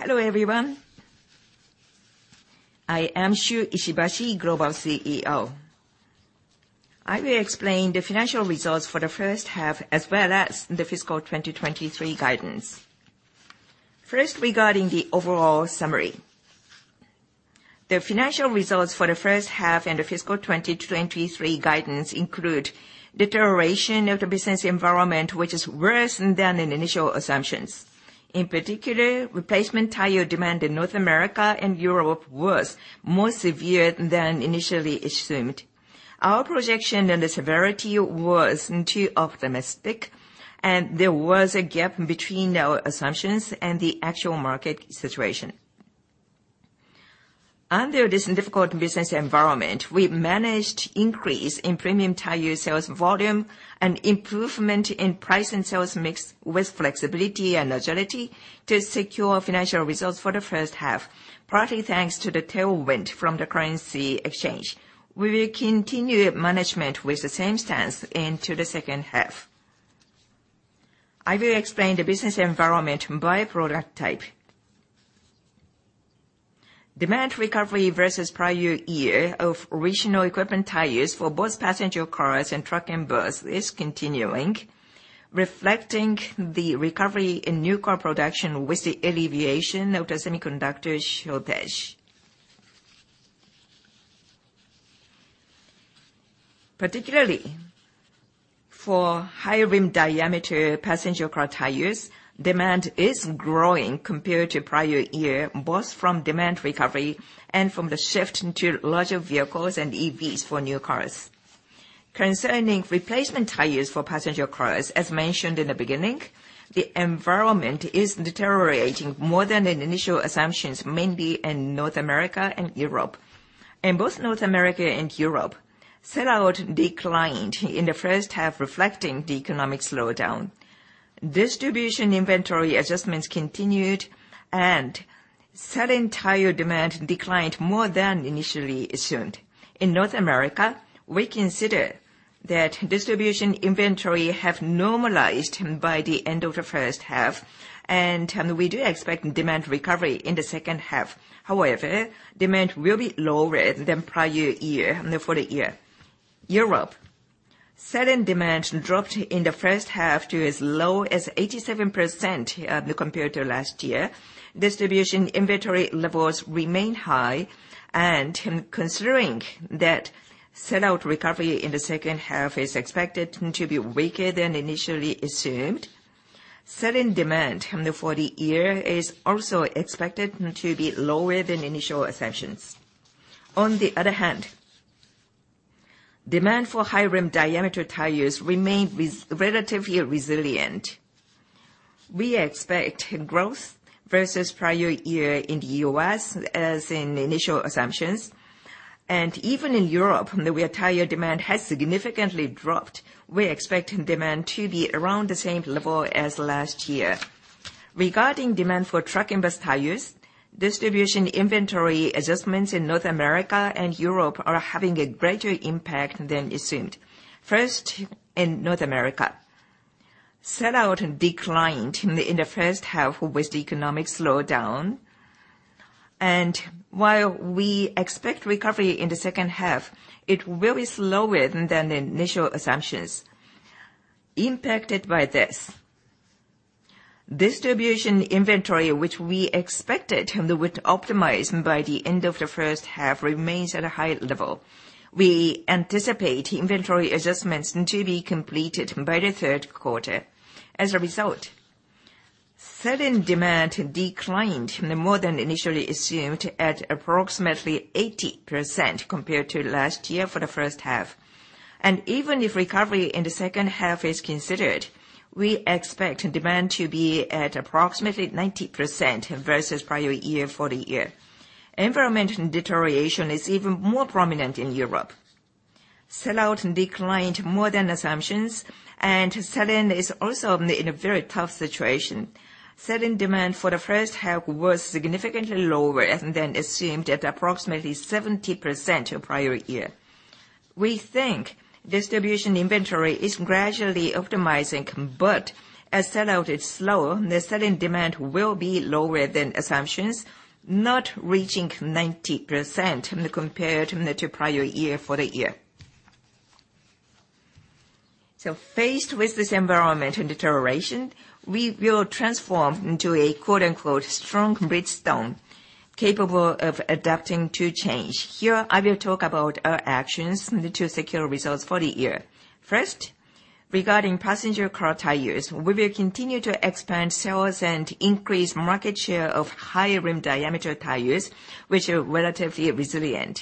Hello, everyone. I am Shuichi Ishibashi, Global CEO. I will explain the Financial Results for the First Half, as well as the Fiscal 2023 Guidance. First, regarding the overall summary. The financial results for the first half and the fiscal 2023 guidance include deterioration of the business environment, which is worse than the initial assumptions. In particular, replacement tire demand in North America and Europe was more severe than initially assumed. Our projection on the severity was too optimistic, and there was a gap between our assumptions and the actual market situation. Under this difficult business environment, we managed increase in Premium Tire sales volume and improvement in price and sales mix with flexibility and agility to secure financial results for the first half, partly thanks to the tailwind from the currency exchange. We will continue management with the same stance into the second half. I will explain the business environment by product type. Demand recovery versus prior year of original equipment tires for both Passenger Cars and Truck & Bus is continuing, reflecting the recovery in new car production with the alleviation of the semiconductor shortage. Particularly for high rim diameter Passenger Car Tires, demand is growing compared to prior year, both from demand recovery and from the shift into larger vehicles and EVs for new cars. Concerning replacement tires for Passenger Cars, as mentioned in the beginning, the environment is deteriorating more than the initial assumptions, mainly in North America and Europe. In both North America and Europe, sell-out declined in the first half, reflecting the economic slowdown. Distribution inventory adjustments continued. Sell-in tire demand declined more than initially assumed. In North America, we consider that distribution inventory have normalized by the end of the first half, and we do expect demand recovery in the second half. However, demand will be lower than prior year and the full year. Europe, sell-in demand dropped in the first half to as low as 87% compared to last year. Distribution inventory levels remain high, and considering that sell-out recovery in the second half is expected to be weaker than initially assumed, sell-in demand for the year is also expected to be lower than initial assumptions. On the other hand, demand for high rim diameter tires remained relatively resilient. We expect growth versus prior year in the U.S. as in initial assumptions, and even in Europe, where tire demand has significantly dropped, we expect demand to be around the same level as last year. Regarding demand for Truck & Bus Tires, distribution inventory adjustments in North America and Europe are having a greater impact than assumed. First, in North America, sell-out declined in the, in the first half with the economic slowdown, and while we expect recovery in the second half, it will be slower than the initial assumptions. Impacted by this, distribution inventory, which we expected would optimize by the end of the first half, remains at a high level. We anticipate inventory adjustments to be completed by the third quarter. As a result, sell-in demand declined more than initially assumed at approximately 80% compared to last year for the first half. Even if recovery in the second half is considered, we expect demand to be at approximately 90% versus prior year for the year. Environmental deterioration is even more prominent in Europe. Sell-out declined more than assumptions, and sell-in is also in a very tough situation. Sell-in demand for the first half was significantly lower than assumed, at approximately 70% to prior year. We think distribution inventory is gradually optimizing, but as sell-out is slower, the sell-in demand will be lower than assumptions, not reaching 90% compared to the prior year for the year. Faced with this environment and deterioration, we will transform into a, quote, unquote, "strong Bridgestone, capable of adapting to change." Here, I will talk about our actions to secure results for the year. First, regarding Passenger Car Tires, we will continue to expand sales and increase market share of higher rim diameter tires, which are relatively resilient.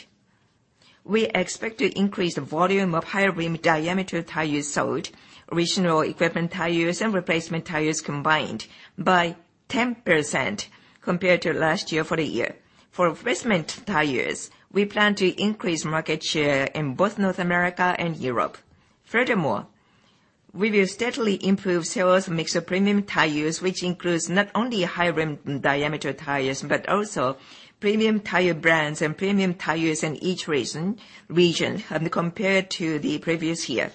We expect to increase the volume of high rim diameter tires sold, original equipment tires and replacement tires combined, by 10% compared to last year for the year. For replacement tires, we plan to increase market share in both North America and Europe. Furthermore, we will steadily improve sales mix of premium tires, which includes not only high rim diameter tires, but also premium tire brands and premium tires in each region, region, compared to the previous year.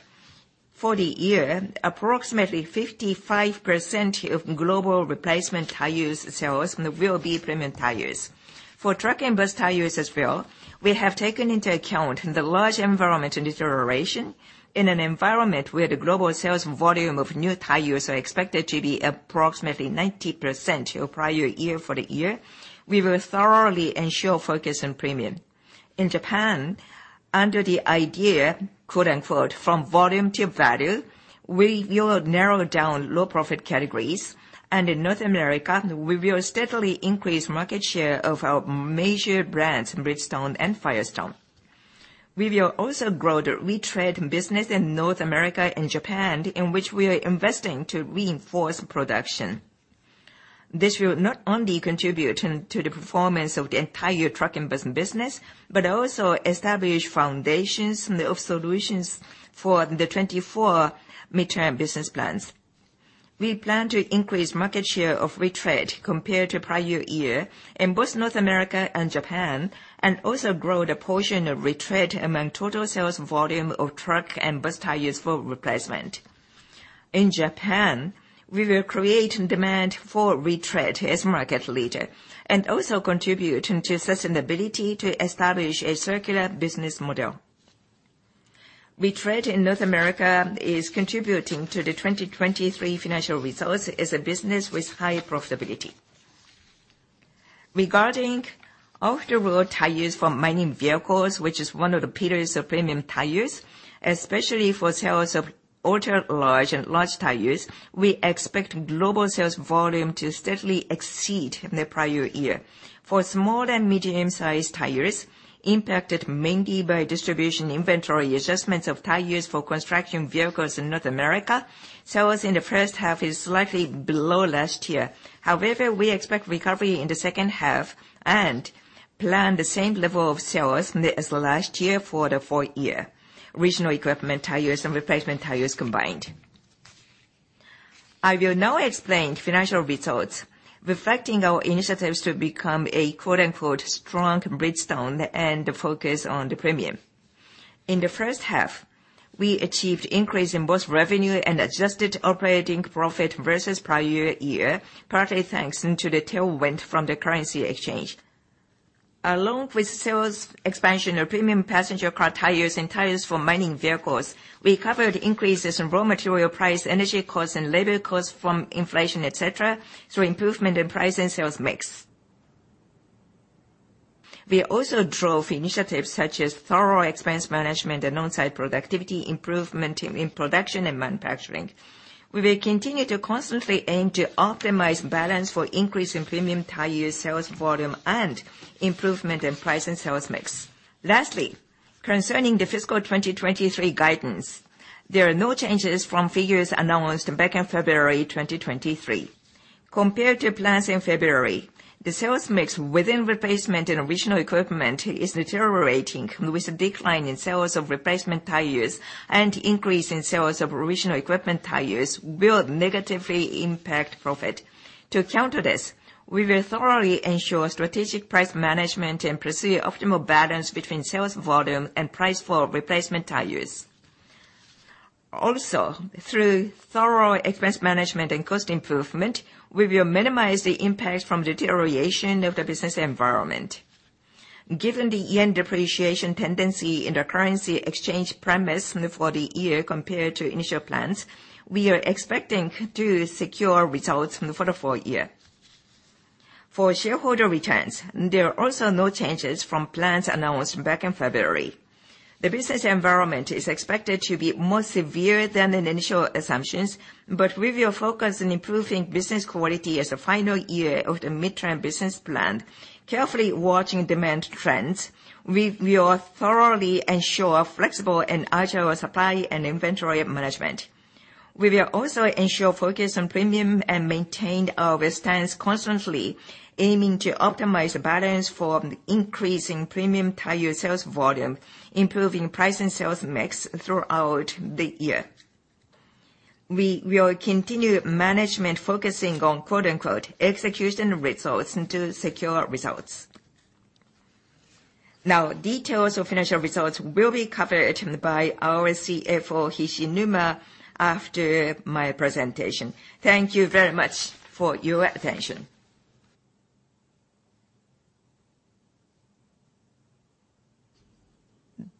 For the year, approximately 55% of global replacement tire sales will be premium tires. For Truck & Bus Tire use as well, we have taken into account the large environment deterioration. In an environment where the global sales volume of new tire use are expected to be approximately 19% to prior year for the year, we will thoroughly ensure focus on premium. In Japan, under the idea, "from volume to value", we will narrow down low profit categories, and in North America, we will steadily increase market share of our major brands, Bridgestone and Firestone. We will also grow the Retread business in North America and Japan, in which we are investing to reinforce production. This will not only contribute to the performance of the entire Truck & Bus business, but also establish foundations of solutions for the 2024 Mid-Term Business Plans. We plan to increase market share of Retread compared to prior year in both North America and Japan, and also grow the portion of Retread among total sales volume of Truck & Bus Tires for replacement. In Japan, we will create demand for Retread as market leader, and also contribute into sustainability to establish a circular business model. Retread in North America is contributing to the 2023 financial results as a business with high profitability. Regarding off-the-road tires for mining vehicles, which is one of the pillars of premium tires, especially for sales of ultra-large and large tires, we expect global sales volume to steadily exceed the prior year. For small and medium-sized tires, impacted mainly by distribution inventory adjustments of tires for construction vehicles in North America, sales in the first half is slightly below last year. However, we expect recovery in the second half, and plan the same level of sales as last year for the full year, original equipment tires and replacement tires combined. I will now explain financial results, reflecting our initiatives to become a, quote, unquote, "strong Bridgestone" and focus on the premium. In the first half, we achieved increase in both revenue and adjusted operating profit versus prior year, partly thanks to the tailwind from the currency exchange. Along with sales expansion of premium Passenger Car Tires and tires for mining vehicles, we covered increases in raw material price, energy costs, and labor costs from inflation, et cetera, through improvement in price and sales mix. We also drove initiatives such as thorough expense management and on-site productivity improvement in production and manufacturing. We will continue to constantly aim to optimize balance for increase in Premium Tire sales volume and improvement in price and sales mix. Lastly, concerning the fiscal 2023 guidance, there are no changes from figures announced back in February 2023. Compared to plans in February, the sales mix within replacement and original equipment is deteriorating, with a decline in sales of replacement tires and increase in sales of original equipment tires will negatively impact profit. To counter this, we will thoroughly ensure strategic price management and pursue optimal balance between sales volume and price for replacement tires. Through thorough expense management and cost improvement, we will minimize the impact from deterioration of the business environment. Given the yen depreciation tendency in the currency exchange premise for the year compared to initial plans, we are expecting to secure results for the full year. For shareholder returns, there are also no changes from plans announced back in February. The business environment is expected to be more severe than the initial assumptions, we will focus on improving business quality as a final year of the mid-term business plan. Carefully watching demand trends, we will thoroughly ensure flexible and agile supply and inventory management. We will also ensure focus on premium and maintain our stance constantly, aiming to optimize the balance for increasing premium tire sales volume, improving price and sales mix throughout the year. We will continue management focusing on, quote, unquote, "execution results" to secure results. Details of financial results will be covered by our Global CFO Hishinuma, after my presentation. Thank you very much for your attention.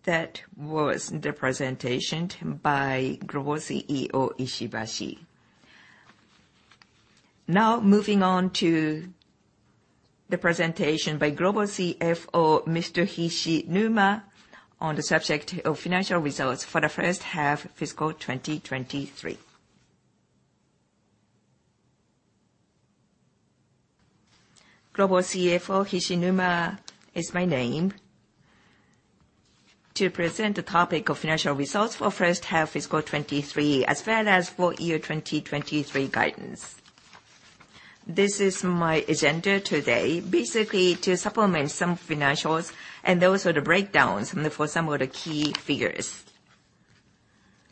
That was the presentation by Global CEO Ishibashi. Moving on to the presentation by Global CFO, Mr. Hishinuma, on the subject of financial results for the first half fiscal 2023. Global CFO Hishinuma is my name, to present the topic of financial results for first half fiscal 2023, as well as full year 2023 guidance. This is my agenda today, basically to supplement some financials and also the breakdowns for some of the key figures.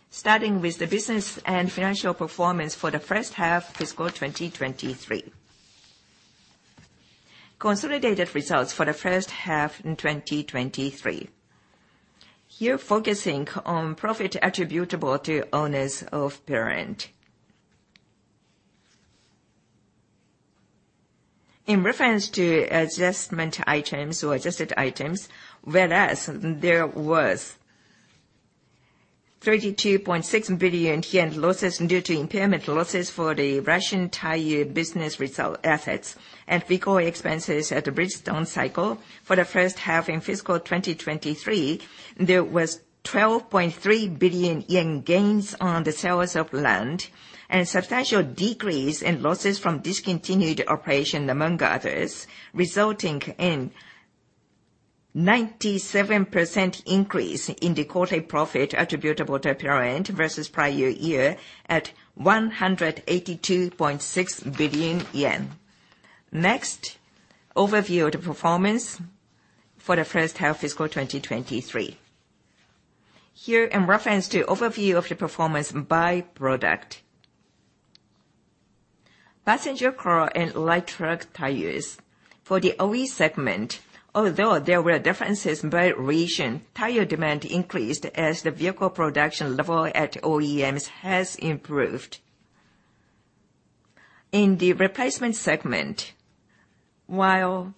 Starting with the business and financial performance for the first half fiscal 2023. Consolidated results for the first half in 2023. Here, focusing on profit attributable to owners of parent. In reference to adjustment items or adjusted items, whereas there was 32.6 billion yen losses due to impairment losses for the Russian Tire Business related assets and recovery expenses at the Bridgestone Cycle. For the 1H in fiscal 2023, there was 12.3 billion yen gains on the sales of land, and a substantial decrease in losses from discontinued operation, among others, resulting in 97% increase in the quarterly profit attributable to parent versus prior year, at 182.6 billion yen. Next, overview of the performance for the first half fiscal 2023. Here, in reference to overview of the performance by product. Passenger Car and Light Truck Tires. For the OE segment, although there were differences by region, tire demand increased as the vehicle production level at OEMs has improved. In the replacement segment, while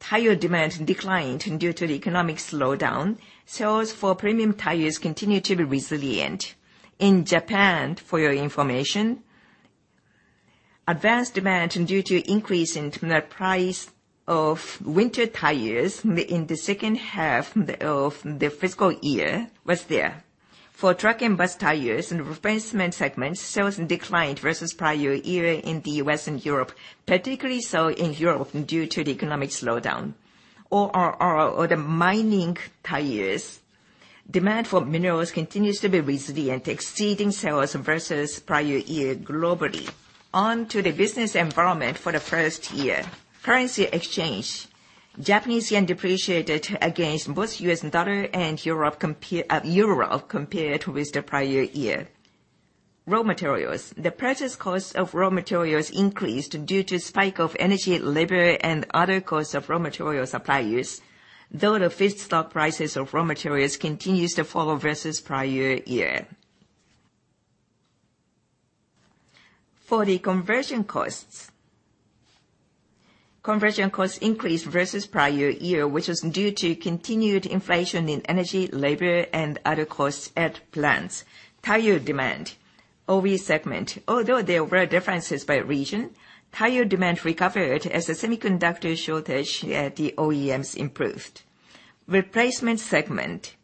tire demand declined due to the economic slowdown, sales for premium tires continue to be resilient. In Japan, for your information, advanced demand due to increase in the price of winter tires in the second half of the fiscal year was there. For Truck & Bus Tires and replacement segments, sales declined versus prior year in the U.S. and Europe, particularly so in Europe, due to the economic slowdown. ORR or the mining tires, demand for minerals continues to be resilient, exceeding sales versus prior year globally. On to the business environment for the first year. Currency exchange: Japanese yen depreciated against both the U.S. dollar and Europe, euro, compared with the prior year. Raw materials. The purchase cost of raw materials increased due to spike of energy, labor, and other costs of raw material suppliers, though the feedstock prices of raw materials continues to fall versus prior year. For the conversion costs, conversion costs increased versus prior year, which was due to continued inflation in energy, labor, and other costs at plants. Tire demand. OE segment. Although there were differences by region, tire demand recovered as the semiconductor shortage at the OEMs improved. Replacement segment.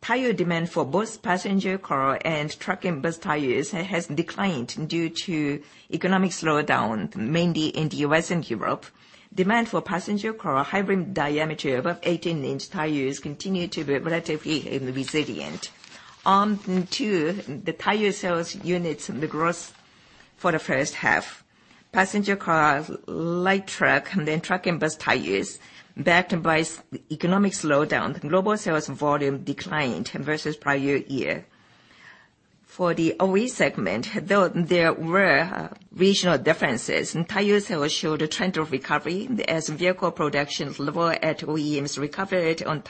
Tire demand for both Passenger Car and Truck & Bus Tires has declined due to economic slowdown, mainly in the U.S. and Europe. Demand for Passenger Car, high rim diameter above 18-inch tires continued to be relatively resilient. On to the tire sales units, the growth for the first half. Passenger Cars, Light Truck, and then Truck & Bus Tires. Backed by economic slowdown, global sales volume declined versus prior year. For the OE segment, though there were regional differences, tire sales showed a trend of recovery as vehicle production level at OEMs recovered on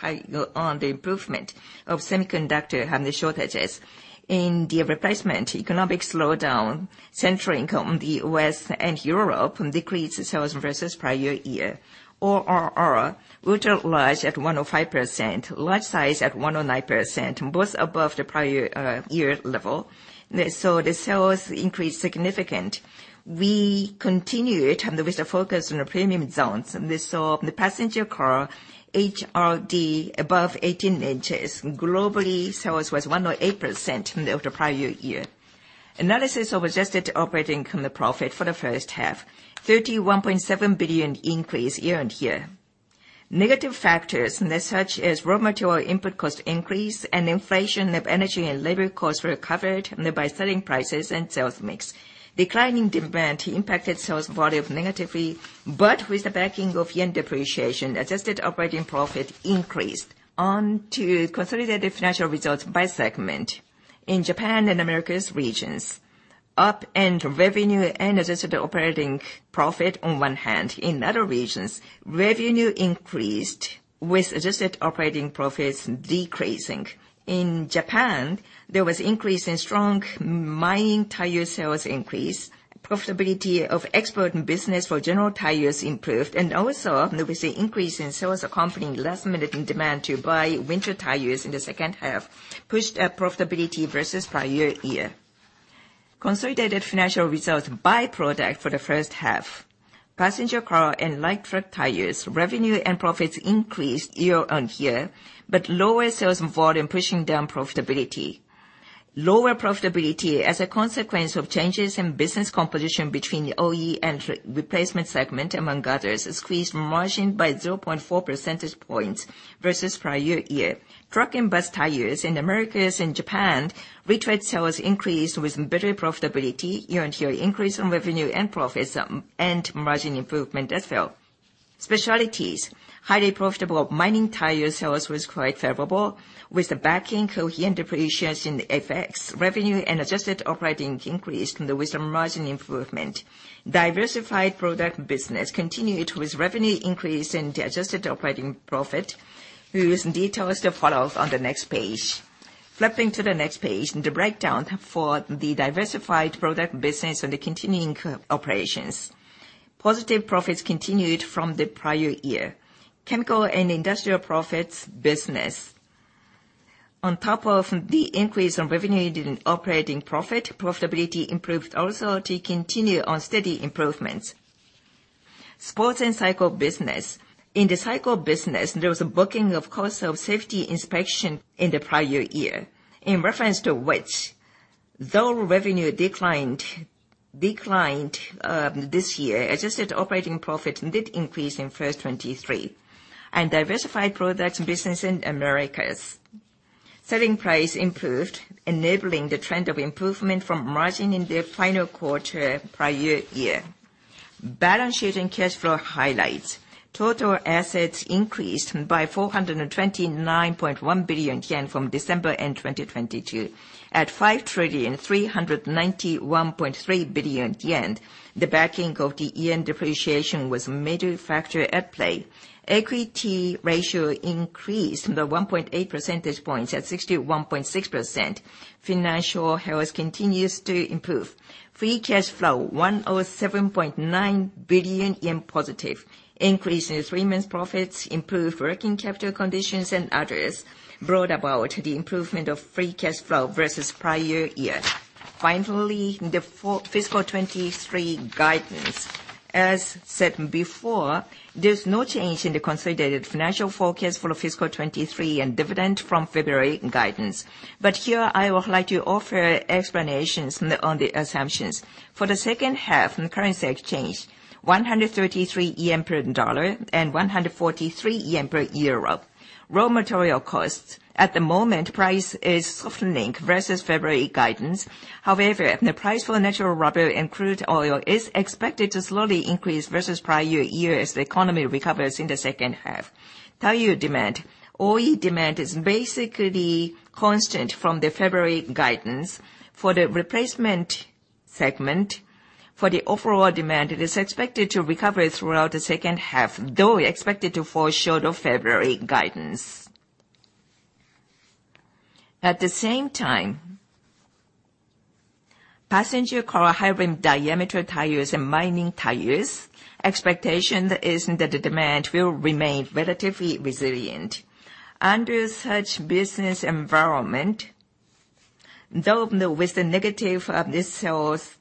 the improvement of semiconductor and the shortages. In the replacement economic slowdown, centering on the U.S. and Europe, decreased sales versus prior year. ORR, ultra-large at 105%, large size at 109%, both above the prior year level. The sales increased significant. We continued with the focus on the premium zones, the Passenger Car HRD above 18 inches, globally, sales was 1.8% of the prior year. Analysis of adjusted operating profit for the first half, 31.7 billion increase year-on-year. Negative factors, such as raw material input cost increase and inflation of energy and labor costs were recovered by selling prices and sales mix. Declining demand impacted sales volume negatively, but with the backing of yen depreciation, adjusted operating profit increased. On to consolidated financial results by segment. In Japan and Americas regions, up end revenue and adjusted operating profit on one hand. In other regions, revenue increased, with adjusted operating profits decreasing. In Japan, there was increase in strong mining tire sales increase, profitability of export and business for general tires improved, and also there was an increase in sales accompanying last-minute demand to buy winter tires in the second half, pushed up profitability versus prior year. Consolidated financial results by product for the first half. Passenger Car and Light Truck Tires, revenue and profits increased year on year, lower sales volume pushing down profitability. Lower profitability as a consequence of changes in business composition between the OE and replacement segment, among others, squeezed margin by 0.4 percentage points versus prior year. Truck & Bus Tires in Americas and Japan, Retread sales increased with better profitability year on year, increase in revenue and profits, and margin improvement as well. Specialties. Highly profitable mining tire sales was quite favorable, with the backing coherent depreciation in the FX. Revenue and adjusted operating increased from the wisdom margin improvement. Diversified product business continued with revenue increase in the adjusted operating profit, with details to follow on the next page. Flipping to the next page, the breakdown for the diversified product business and the continuing operations. Positive profits continued from the prior year. Chemical and industrial profits business. On top of the increase in revenue and operating profit, profitability improved also to continue on steady improvements. Sports and cycle business. In the cycle business, there was a booking of cost of safety inspection in the prior year, in reference to which, though revenue declined, declined, this year, adjusted operating profit did increase in 1H 2023. Diversified products business in Americas. Selling price improved, enabling the trend of improvement from margin in the final quarter prior year. Balance sheet and cash flow highlights. Total assets increased by 429.1 billion yen from December, end 2022, at 5,391.3 billion yen. The backing of the yen depreciation was a major factor at play. Equity ratio increased by 1.8 percentage points, at 61.6%. Financial health continues to improve. Free cash flow, 107.9 billion yen positive. Increase in three months profits, improved working capital conditions and others, brought about the improvement of free cash flow versus prior year. Finally, for the fiscal 2023 guidance. As said before, there's no change in the consolidated financial forecast for fiscal 2023 and dividend from February guidance. Here, I would like to offer explanations on the assumptions. For the second half, in currency exchange, 133 yen per dollar and 143 yen per euro. Raw material costs. At the moment, price is softening versus February guidance. The price for natural rubber and crude oil is expected to slowly increase versus prior year as the economy recovers in the second half. Tire demand. OE demand is basically constant from the February guidance. For the replacement segment, for the overall demand, it is expected to recover throughout the second half, though expected to fall short of February guidance. At the same time, Passenger Car, high-rim-diameter tires and mining tires, expectation is that the demand will remain relatively resilient. Under such business environment, though with the negative of this sales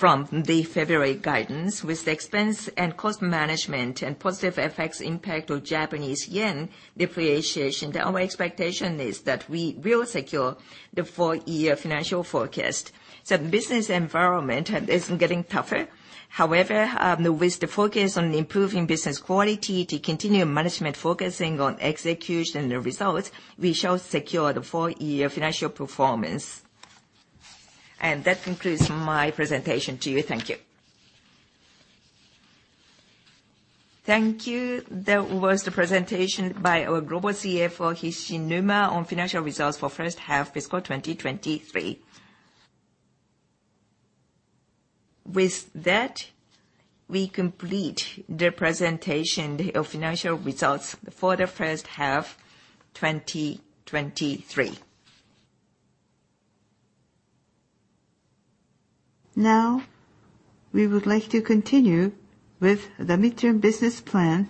from the February guidance, with the expense and cost management and positive effects impact of Japanese yen depreciation, our expectation is that we will secure the full year financial forecast. Business environment is getting tougher. However, with the focus on improving business quality to continue management focusing on execution and results, we shall secure the full year financial performance. That concludes my presentation to you. Thank you. Thank you. That was the presentation by our Global CFO, Naoki Hishinuma, on financial results for first half fiscal 2023. With that, we complete the presentation of financial results for the first half 2023. We would like to continue with the Mid-Term Business Plan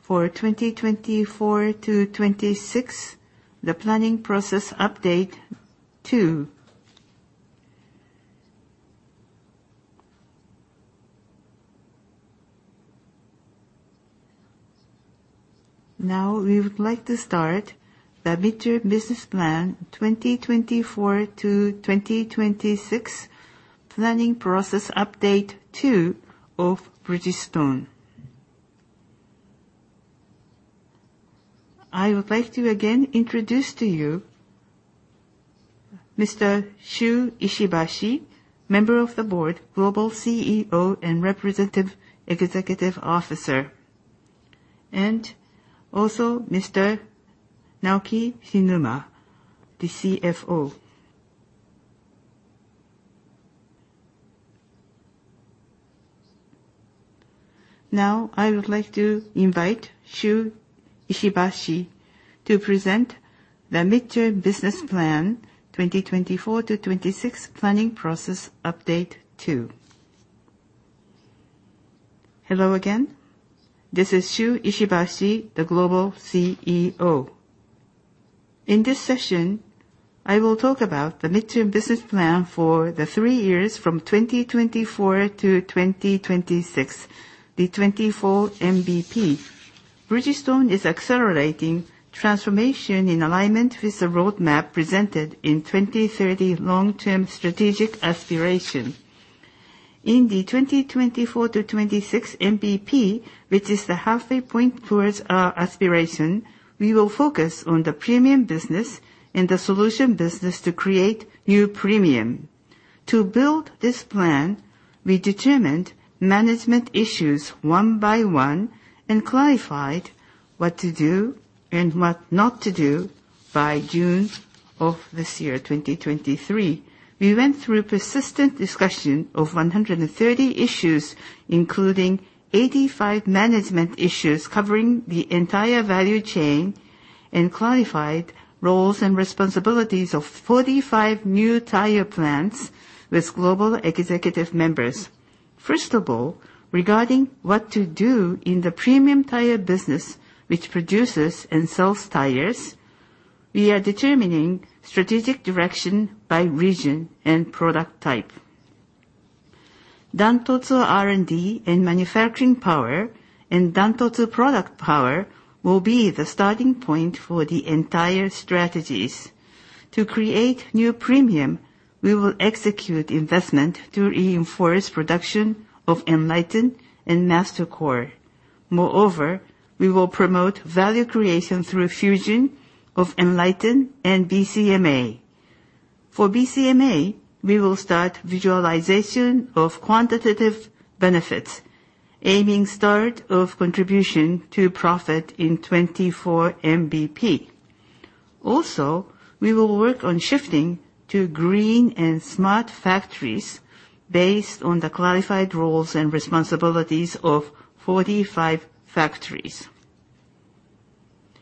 for 2024 to 2026, the Planning Process Update 2. We would like to start the Mid-Term Business Plan 2024 to 2026, Planning Process Update 2 of Bridgestone. I would like to again introduce to you Mr. Shuichi Ishibashi, Member of the Board, Global CEO and Representative Executive Officer, and also Mr. Naoki Hishinuma, the CFO. I would like to invite Shuichi Ishibashi to present the Mid-Term Business Plan 2024 to 2026, Planning Process Update 2. Hello again. This is Shuichi Ishibashi, the Global CEO. In this session, I will talk about the Mid-Term Business Plan for the three years from 2024 to 2026, the 2024 MBP. Bridgestone is accelerating transformation in alignment with the roadmap presented in 2030 long-term strategic aspiration. In the 2024 to 2026 MBP, which is the halfway point towards our aspiration, we will focus on the premium business and the solution business to create new premium. To build this plan, we determined management issues one by one, and clarified what to do and what not to do by June of this year, 2023. We went through persistent discussion of 130 issues, including 85 management issues covering the entire value chain, and clarified roles and responsibilities of 45 new tire plants with global executive members. First of all, regarding what to do in the PremiumTire Business, which produces and sells tires, we are determining strategic direction by region and product type. Dan-Totsu R&D and manufacturing power, and Dan-Totsu product power will be the starting point for the entire strategies. To create new premium, we will execute investment to reinforce production of ENLITEN and MasterCore. Moreover, we will promote value creation through fusion of ENLITEN and BCMA. For BCMA, we will start visualization of quantitative benefits, aiming start of contribution to profit in 2024 MBP. Also, we will work on shifting to green and smart factories based on the clarified roles and responsibilities of 45 factories.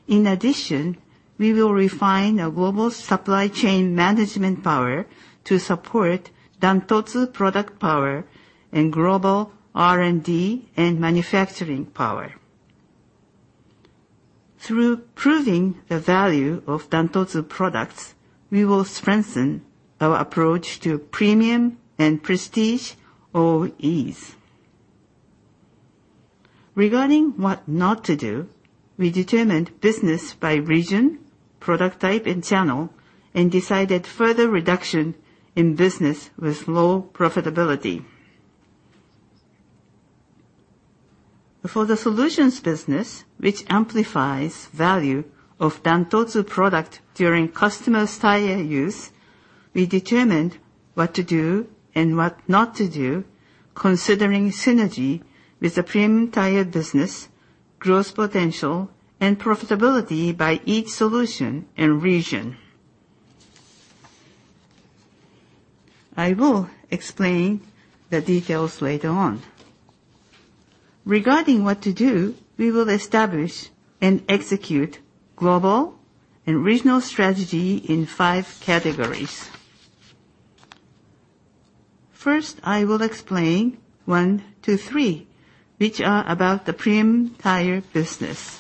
In addition, we will refine a global supply chain management power to support Dan-Totsu product power and global R&D and manufacturing power. Through proving the value of Dan-Totsu products, we will strengthen our approach to premium and prestige OEs. Regarding what not to do, we determined business by region, product type, and channel, and decided further reduction in business with low profitability. For the Solutions business, which amplifies value of Dan-Totsu product during customer tire use, we determined what to do and what not to do, considering synergy with the Premium Tire Business, growth potential, and profitability by each solution and region. I will explain the details later on. Regarding what to do, we will establish and execute global and regional strategy in five categories. First, I will explain one to three, which are about the Premium Tire Business.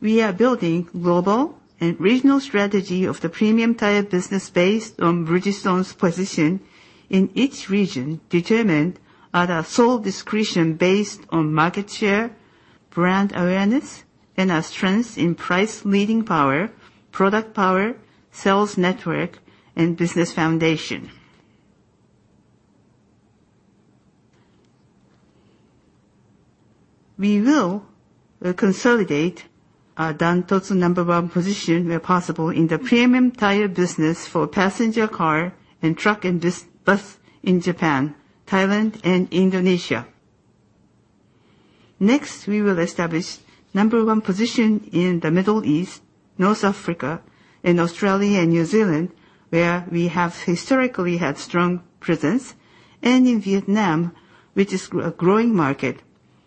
We are building global and regional strategy of the Premium Tire Business based on Bridgestone's position in each region, determined at our sole discretion based on market share, brand awareness, and our strengths in price leading power, product power, sales network, and business foundation. We will consolidate our Dan-Totsu number one position where possible in the Premium Tire Business for Passenger Car and Truck & Bus Tires in Japan, Thailand, and Indonesia. Next, we will establish number one position in the Middle East, North Africa, and Australia and New Zealand, where we have historically had strong presence, and in Vietnam, which is a growing market.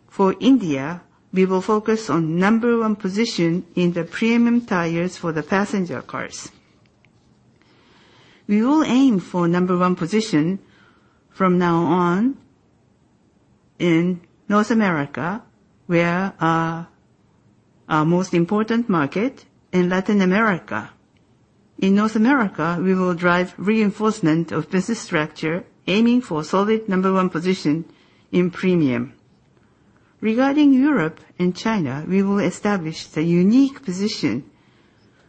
For India, we will focus on number one position in the Premium Tires for the Passenger Cars. We will aim for number one position from now on in North America, where our, our most important market, in Latin America. In North America, we will drive reinforcement of business structure, aiming for solid number one position in premium. Regarding Europe and China, we will establish the unique position.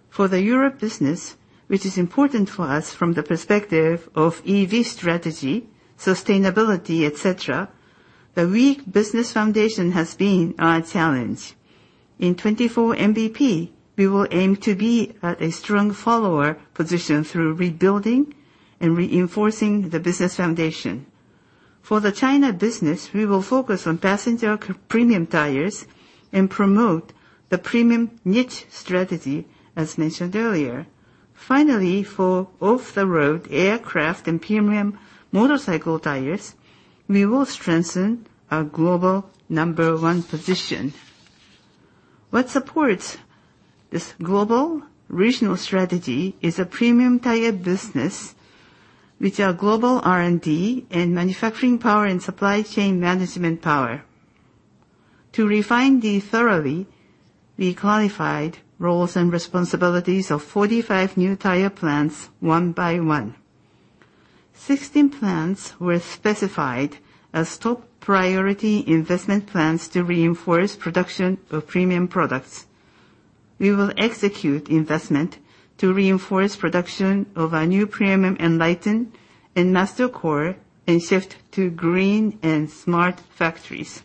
For the Europe business, which is important for us from the perspective of EV strategy, sustainability, et cetera, the weak business foundation has been our challenge. In 2024 MBP, we will aim to be at a strong follower position through rebuilding and reinforcing the business foundation. For the China business, we will focus on passenger premium tires and promote the premium niche strategy, as mentioned earlier. Finally, for off-the-road aircraft and premium motorcycle tires, we will strengthen our global number one position. What supports this global regional strategy is a Premium Tire Business, which are global R&D and manufacturing power and supply chain management power. To refine these thoroughly, we clarified roles and responsibilities of 45 new tire plants one by one. 16 plants were specified as top priority investment plants to reinforce production of premium products. We will execute investment to reinforce production of our new premium ENLITEN and MasterCore, and shift to green and smart factories.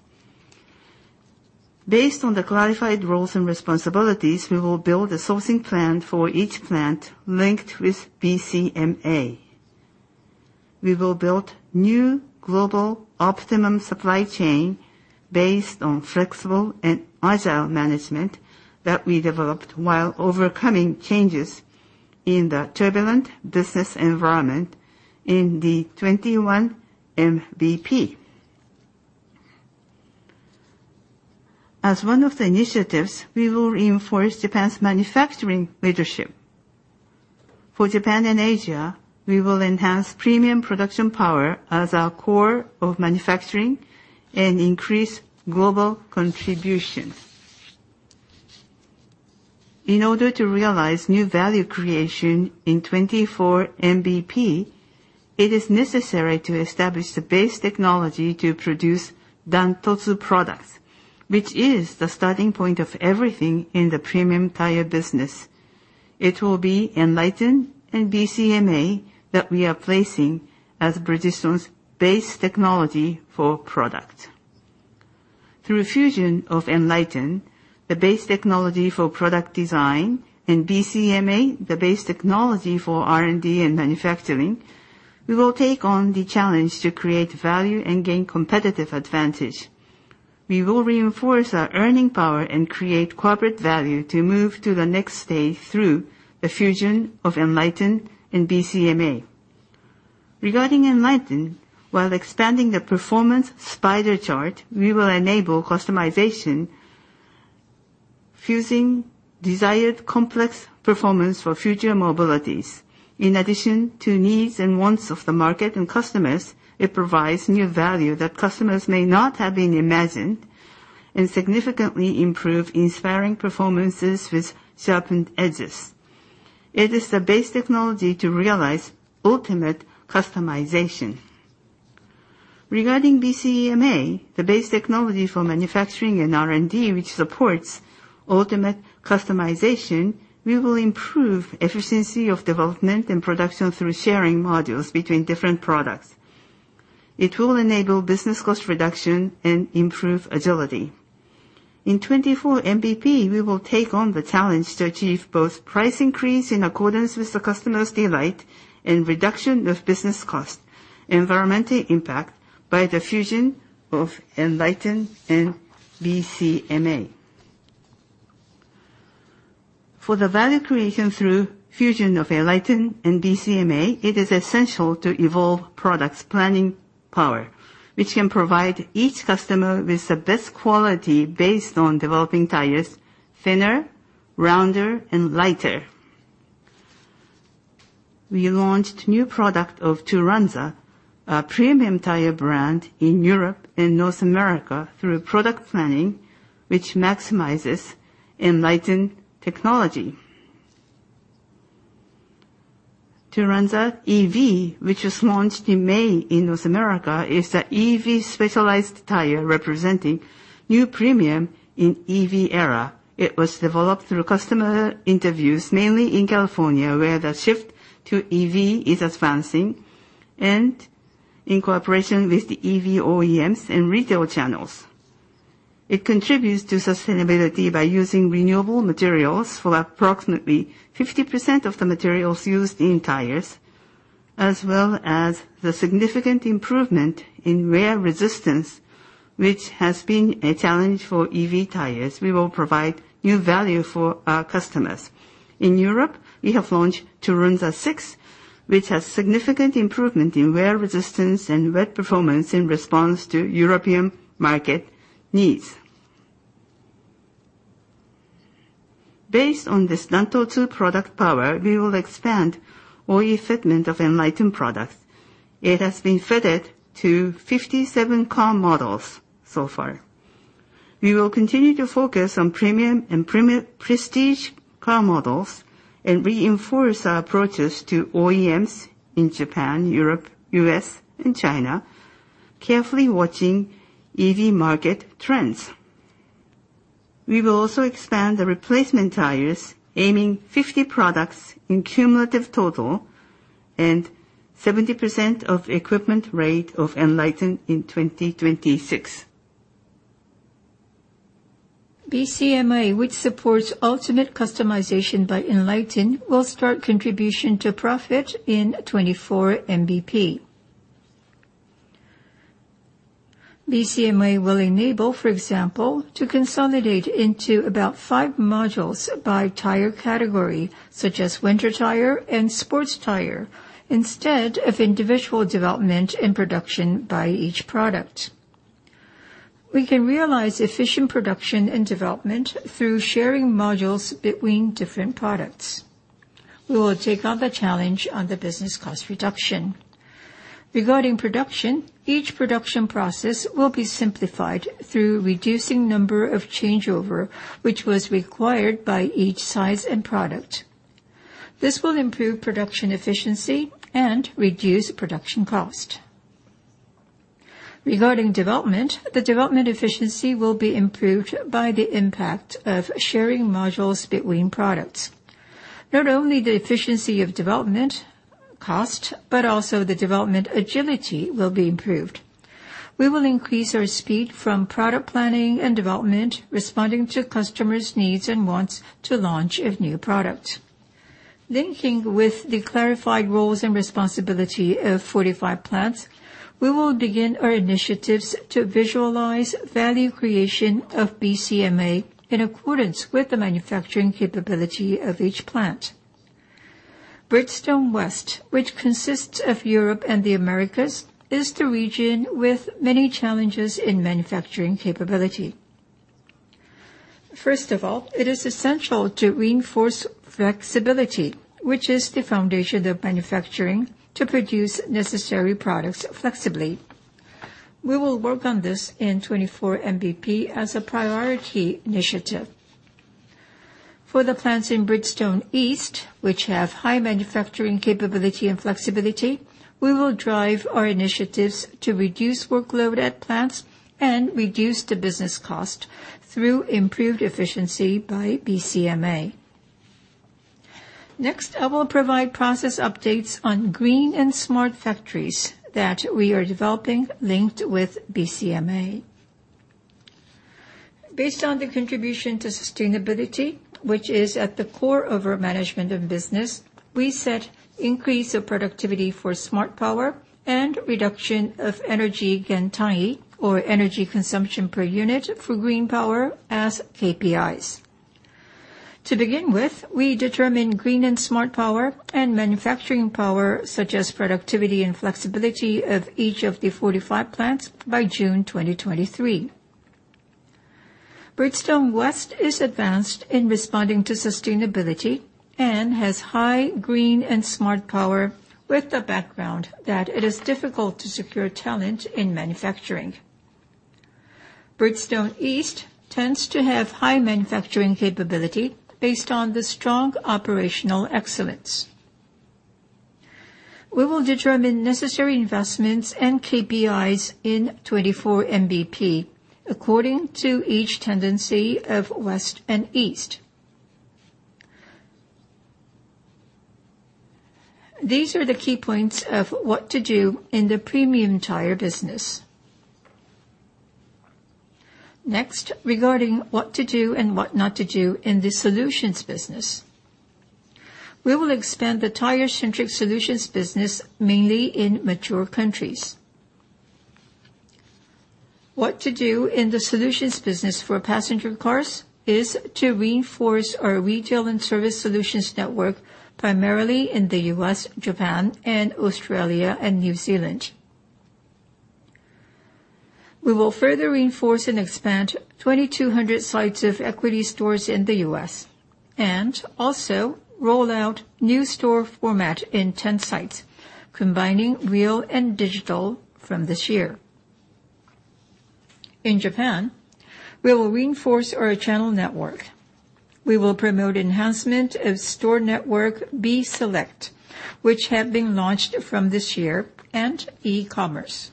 Based on the clarified roles and responsibilities, we will build a sourcing plan for each plant linked with BCMA. We will build new global optimum supply chain based on flexible and agile management that we developed while overcoming changes in the turbulent business environment in the 2021 MBP. As one of the initiatives, we will reinforce Japan's manufacturing leadership. For Japan and Asia, we will enhance premium production power as our core of manufacturing and increase global contribution. In order to realize new value creation in 2024 MBP, it is necessary to establish the base technology to produce Dan-Totsu products, which is the starting point of everything in the Premium Tire Business. It will be ENLITEN and BCMA that we are placing as Bridgestone's base technology for product. Through fusion of ENLITEN, the base technology for product design, and BCMA, the base technology for R&D and manufacturing, we will take on the challenge to create value and gain competitive advantage. We will reinforce our earning power and create corporate value to move to the next stage through the fusion of ENLITEN and BCMA. Regarding ENLITEN, while expanding the performance spider chart, we will enable customization, fusing desired complex performance for future mobilities. In addition to needs and wants of the market and customers, it provides new value that customers may not have been imagined, and significantly improve inspiring performances with sharpened edges. It is the base technology to realize ultimate customization. Regarding BCMA, the base technology for manufacturing and R&D, which supports ultimate customization, we will improve efficiency of development and production through sharing modules between different products. It will enable business cost reduction and improve agility. In 2024 MBP, we will take on the challenge to achieve both price increase in accordance with the customer's delight and reduction of business cost, environmental impact, by the fusion of ENLITEN and BCMA. For the value creation through fusion of ENLITEN and BCMA, it is essential to evolve products planning power, which can provide each customer with the best quality based on developing tires thinner, rounder, and lighter. We launched new product of Turanza, a premium tire brand in Europe and North America, through product planning, which maximizes ENLITEN technology. Turanza EV, which was launched in May in North America, is the EV specialized tire representing new premium in EV era. It was developed through customer interviews, mainly in California, where the shift to EV is advancing, and in cooperation with the EV OEMs and Retail channels. It contributes to sustainability by using renewable materials for approximately 50% of the materials used in tires, as well as the significant improvement in wear resistance, which has been a challenge for EV tires. We will provide new value for our customers. In Europe, we have launched Turanza 6, which has significant improvement in wear resistance and wet performance in response to European market needs. Based on this Dan-Totsu product power, we will expand OE fitment of ENLITEN products. It has been fitted to 57 car models so far. We will continue to focus on premium and prestige car models, and reinforce our approaches to OEMs in Japan, Europe, U.S., and China, carefully watching EV market trends. We will also expand the replacement tires, aiming 50 products in cumulative total and 70% of equipment rate of ENLITEN in 2026. BCMA, which supports ultimate customization by ENLITEN, will start contribution to profit in 2024 MBP. BCMA will enable, for example, to consolidate into about five modules by tire category, such as winter tire and sports tire, instead of individual development and production by each product. We can realize efficient production and development through sharing modules between different products. We will take on the challenge on the business cost reduction. Regarding production, each production process will be simplified through reducing number of changeover, which was required by each size and product. This will improve production efficiency and reduce production cost. Regarding development, the development efficiency will be improved by the impact of sharing modules between products. Not only the efficiency of development cost, but also the development agility will be improved. We will increase our speed from product planning and development, responding to customers' needs and wants to launch of new products. Linking with the clarified roles and responsibility of 45 plants, we will begin our initiatives to visualize value creation of BCMA in accordance with the manufacturing capability of each plant. Bridgestone West, which consists of Europe and the Americas, is the region with many challenges in manufacturing capability. First of all, it is essential to reinforce flexibility, which is the foundation of manufacturing, to produce necessary products flexibly. We will work on this in 2024 MBP as a priority initiative. For the plants in Bridgestone East, which have high manufacturing capability and flexibility, we will drive our initiatives to reduce workload at plants and reduce the business cost through improved efficiency by BCMA. I will provide process updates on green and smart factories that we are developing linked with BCMA. Based on the contribution to sustainability, which is at the core of our management of business, we set increase of productivity for smart power and reduction of energy Gentan-i, or energy consumption per unit for green power, as KPIs. We determine green and smart power and manufacturing power, such as productivity and flexibility of each of the 45 plants by June 2023. Bridgestone West is advanced in responding to sustainability and has high green and smart power, with the background that it is difficult to secure talent in manufacturing. Bridgestone East tends to have high manufacturing capability based on the strong operational excellence. We will determine necessary investments and KPIs in 2024 MBP according to each tendency of West and East. These are the key points of what to do in the Premium Tire business. Regarding what to do and what not to do in the Solutions business. We will expand the tire-centric Solutions business, mainly in mature countries. What to do in the Solutions business for Passenger Cars is to reinforce our retail and service solutions network, primarily in the U.S., Japan, and Australia and New Zealand. We will further reinforce and expand 2,200 sites of equity stores in the U.S., and also roll out new store format in 10 sites, combining real and digital from this year. In Japan, we will reinforce our channel network. We will promote enhancement of store network B-Select, which have been launched from this year, and E-Commerce.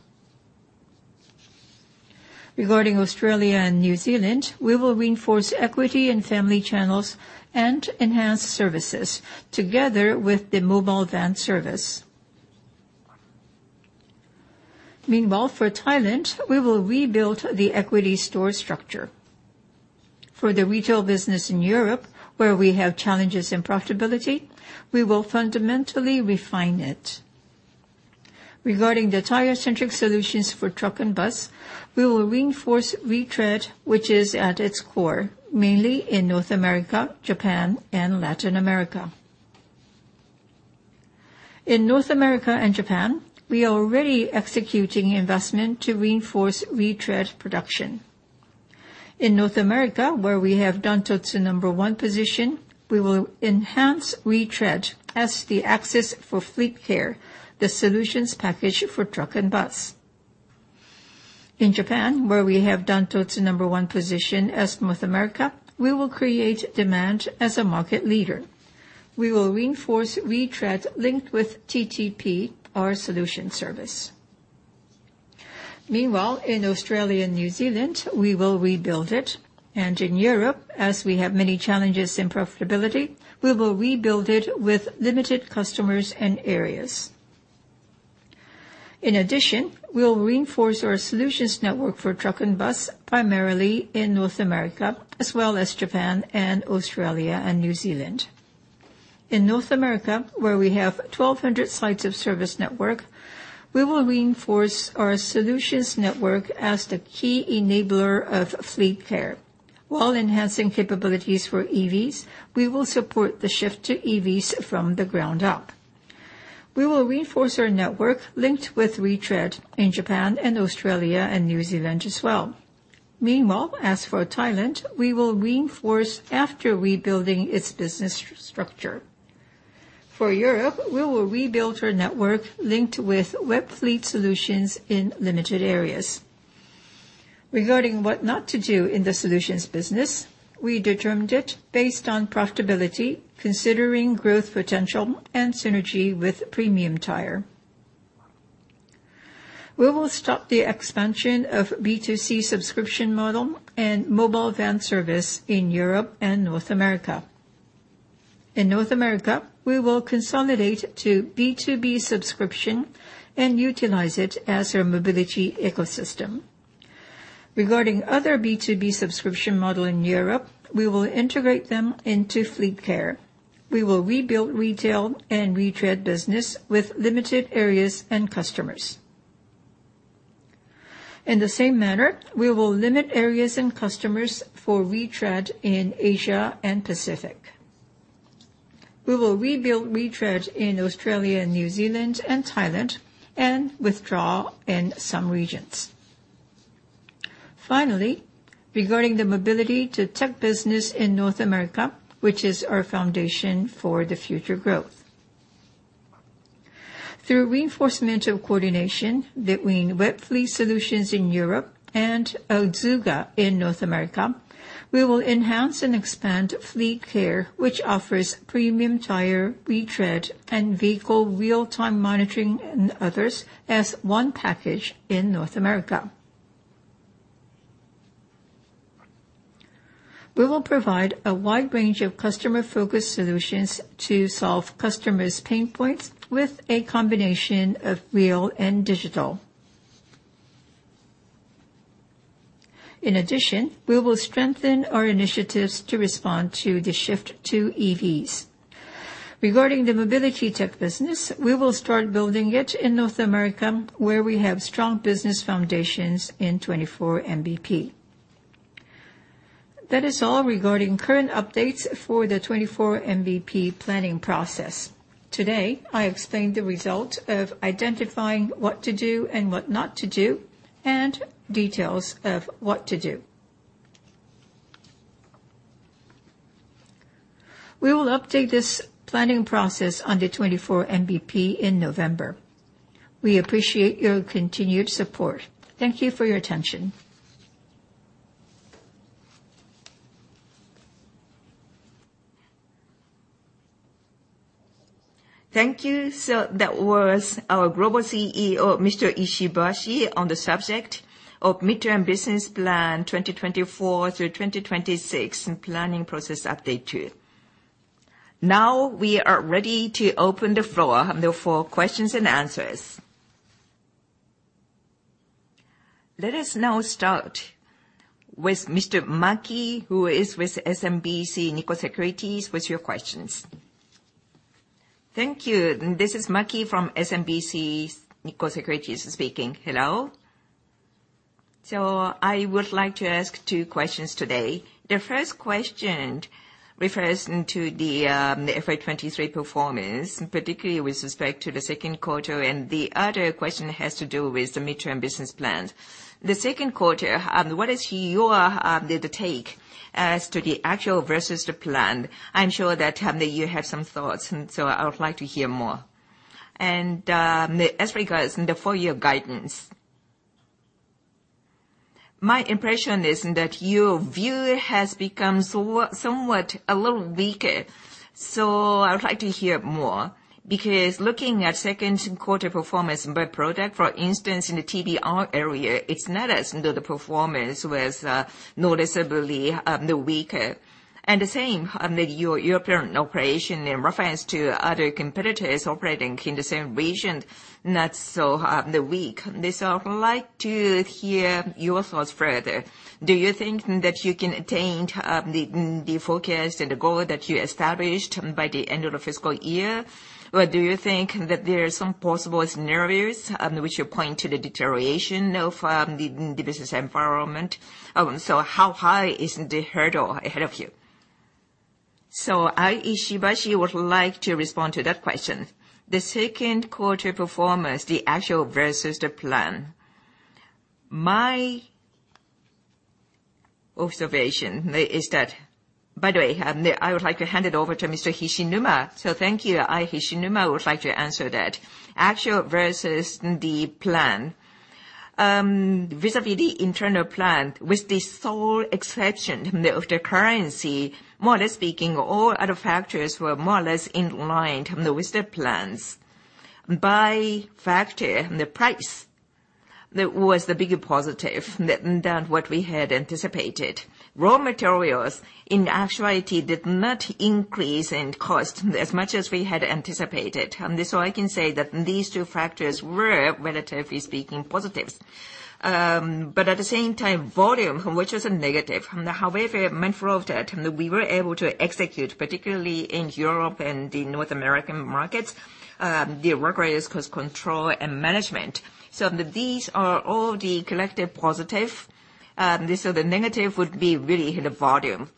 Regarding Australia and New Zealand, we will reinforce equity and family channels and enhance services together with the mobile van service. Meanwhile, for Thailand, we will rebuild the equity store structure. For the Retail business in Europe, where we have challenges in profitability, we will fundamentally refine it. Regarding the tire-centric solutions for Truck & Bus, we will reinforce Retread, which is at its core, mainly in North America, Japan, and Latin America. In North America and Japan, we are already executing investment to reinforce Retread production. In North America, where we have Dan-Totsu number one position, we will enhance Retread as the axis for Fleet Care, the solutions package for Truck & Bus. In Japan, where we have Dan-Totsu number one position as North America, we will create demand as a market leader. We will reinforce Retread linked with TTP, our solution service. Meanwhile, in Australia and New Zealand, we will rebuild it, and in Europe, as we have many challenges in profitability, we will rebuild it with limited customers and areas. In addition, we'll reinforce our solutions network for Truck & Bus, primarily in North America, as well as Japan and Australia and New Zealand. In North America, where we have 1,200 sites of service network, we will reinforce our solutions network as the key enabler of Fleet Care. While enhancing capabilities for EVs, we will support the shift to EVs from the ground up. We will reinforce our network linked with Retread in Japan and Australia and New Zealand as well. Meanwhile, as for Thailand, we will reinforce after rebuilding its business structure. For Europe, we will rebuild our network linked with Webfleet Solutions in limited areas. Regarding what not to do in the Solutions business, we determined it based on profitability, considering growth potential and synergy with premium tire. We will stop the expansion of B2C subscription model and mobile van service in Europe and North America. In North America, we will consolidate to B2B subscription and utilize it as our mobility ecosystem. Regarding other B2B subscription model in Europe, we will integrate them into Fleet Care. We will rebuild Retail and Retread business with limited areas and customers. In the same manner, we will limit areas and customers for Retread in Asia and Pacific. We will rebuild Retread in Australia and New Zealand and Thailand, and withdraw in some regions. Finally, regarding the mobility to tech business in North America, which is our foundation for the future growth. Through reinforcement of coordination between Webfleet Solutions in Europe and Azuga in North America, we will enhance and expand Fleet Care, which offers premium tire, Retread, and vehicle real-time monitoring, and others, as one package in North America. We will provide a wide range of customer-focused solutions to solve customers' pain points with a combination of real and digital. In addition, we will strengthen our initiatives to respond to the shift to EVs. Regarding the mobility tech business, we will start building it in North America, where we have strong business foundations in 2024 MBP. That is all regarding current updates for the 2024 MBP planning process. Today, I explained the result of identifying what to do and what not to do, and details of what to do. We will update this planning process on the 2024 MBP in November. We appreciate your continued support. Thank you for your attention. Thank you. That was our Global CEO, Mr. Ishibashi, on the subject of Mid-Term Business Plan 2024 through 2026, and Planning Process Update 2. We are ready to open the floor for questions and answers. Let us now start with Mr. Maki, who is with SMBC Nikko Securities, with your questions. Thank you. This is Maki from SMBC Nikko Securities speaking. Hello. I would like to ask two questions today. The first question refers into the FY 2023 performance, particularly with respect to the second quarter, and the other question has to do with the Mid-Term Business Plan. The second quarter, what is your the take as to the actual versus the plan? I'm sure that you have some thoughts, and I would like to hear more. As regards the full year guidance, my impression is that your view has become somewhat a little weaker. I would like to hear more, because looking at second quarter performance by product, for instance, in the TBR area, it's not as though the performance was noticeably weaker. The same on the European operation in reference to other competitors operating in the same region, not so the weak. I would like to hear your thoughts further. Do you think that you can attain the, the forecast and the goal that you established by the end of the fiscal year? Or do you think that there are some possible scenarios which point to the deterioration of the, the business environment? How high is the hurdle ahead of you? I, Ishibashi, would like to respond to that question. The second quarter performance, the actual versus the plan. My observation is that. By the way, I would like to hand it over to Mr. Hishinuma. Thank you. I, Hishinuma, would like to answer that. Actual versus the plan. Vis-à-vis the internal plan, with the sole exception of the currency, more or less speaking, all other factors were more or less in line with the plans. By factor, the price that was the bigger positive than, than what we had anticipated. Raw materials, in actuality, did not increase in cost as much as we had anticipated. I can say that these two factors were, relatively speaking, positives. At the same time, volume, which is a negative. However, mindful of that, we were able to execute, particularly in Europe and the North American markets. The work rate is cost control and management. These are all the collective positive. The negative would be really the volume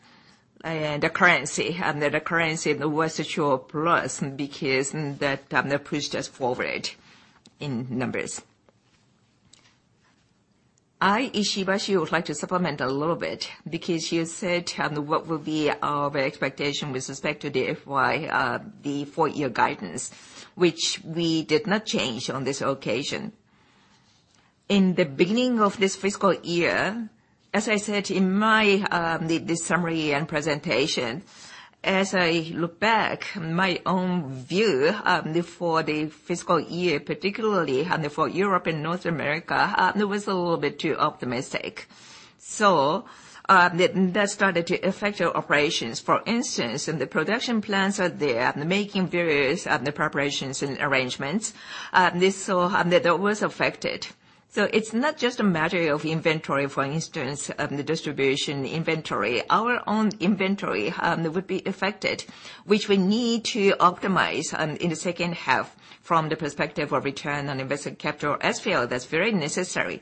and the currency, and the currency was a sure plus because that pushed us forward in numbers. I, Ishibashi, would like to supplement a little bit, because you said what would be our expectation with respect to the FY, the full year guidance, which we did not change on this occasion. In the beginning of this fiscal year. I said in my, the summary and presentation, as I look back, my own view for the fiscal year, particularly and for Europe and North America, it was a little bit too optimistic. That started to affect our operations. For instance, in the production plants are there, making various preparations and arrangements, this so, that was affected. It's not just a matter of inventory, for instance, of the distribution inventory. Our own inventory that would be affected, which we need to optimize in the second half from the perspective of return on invested capital as well. That's very necessary.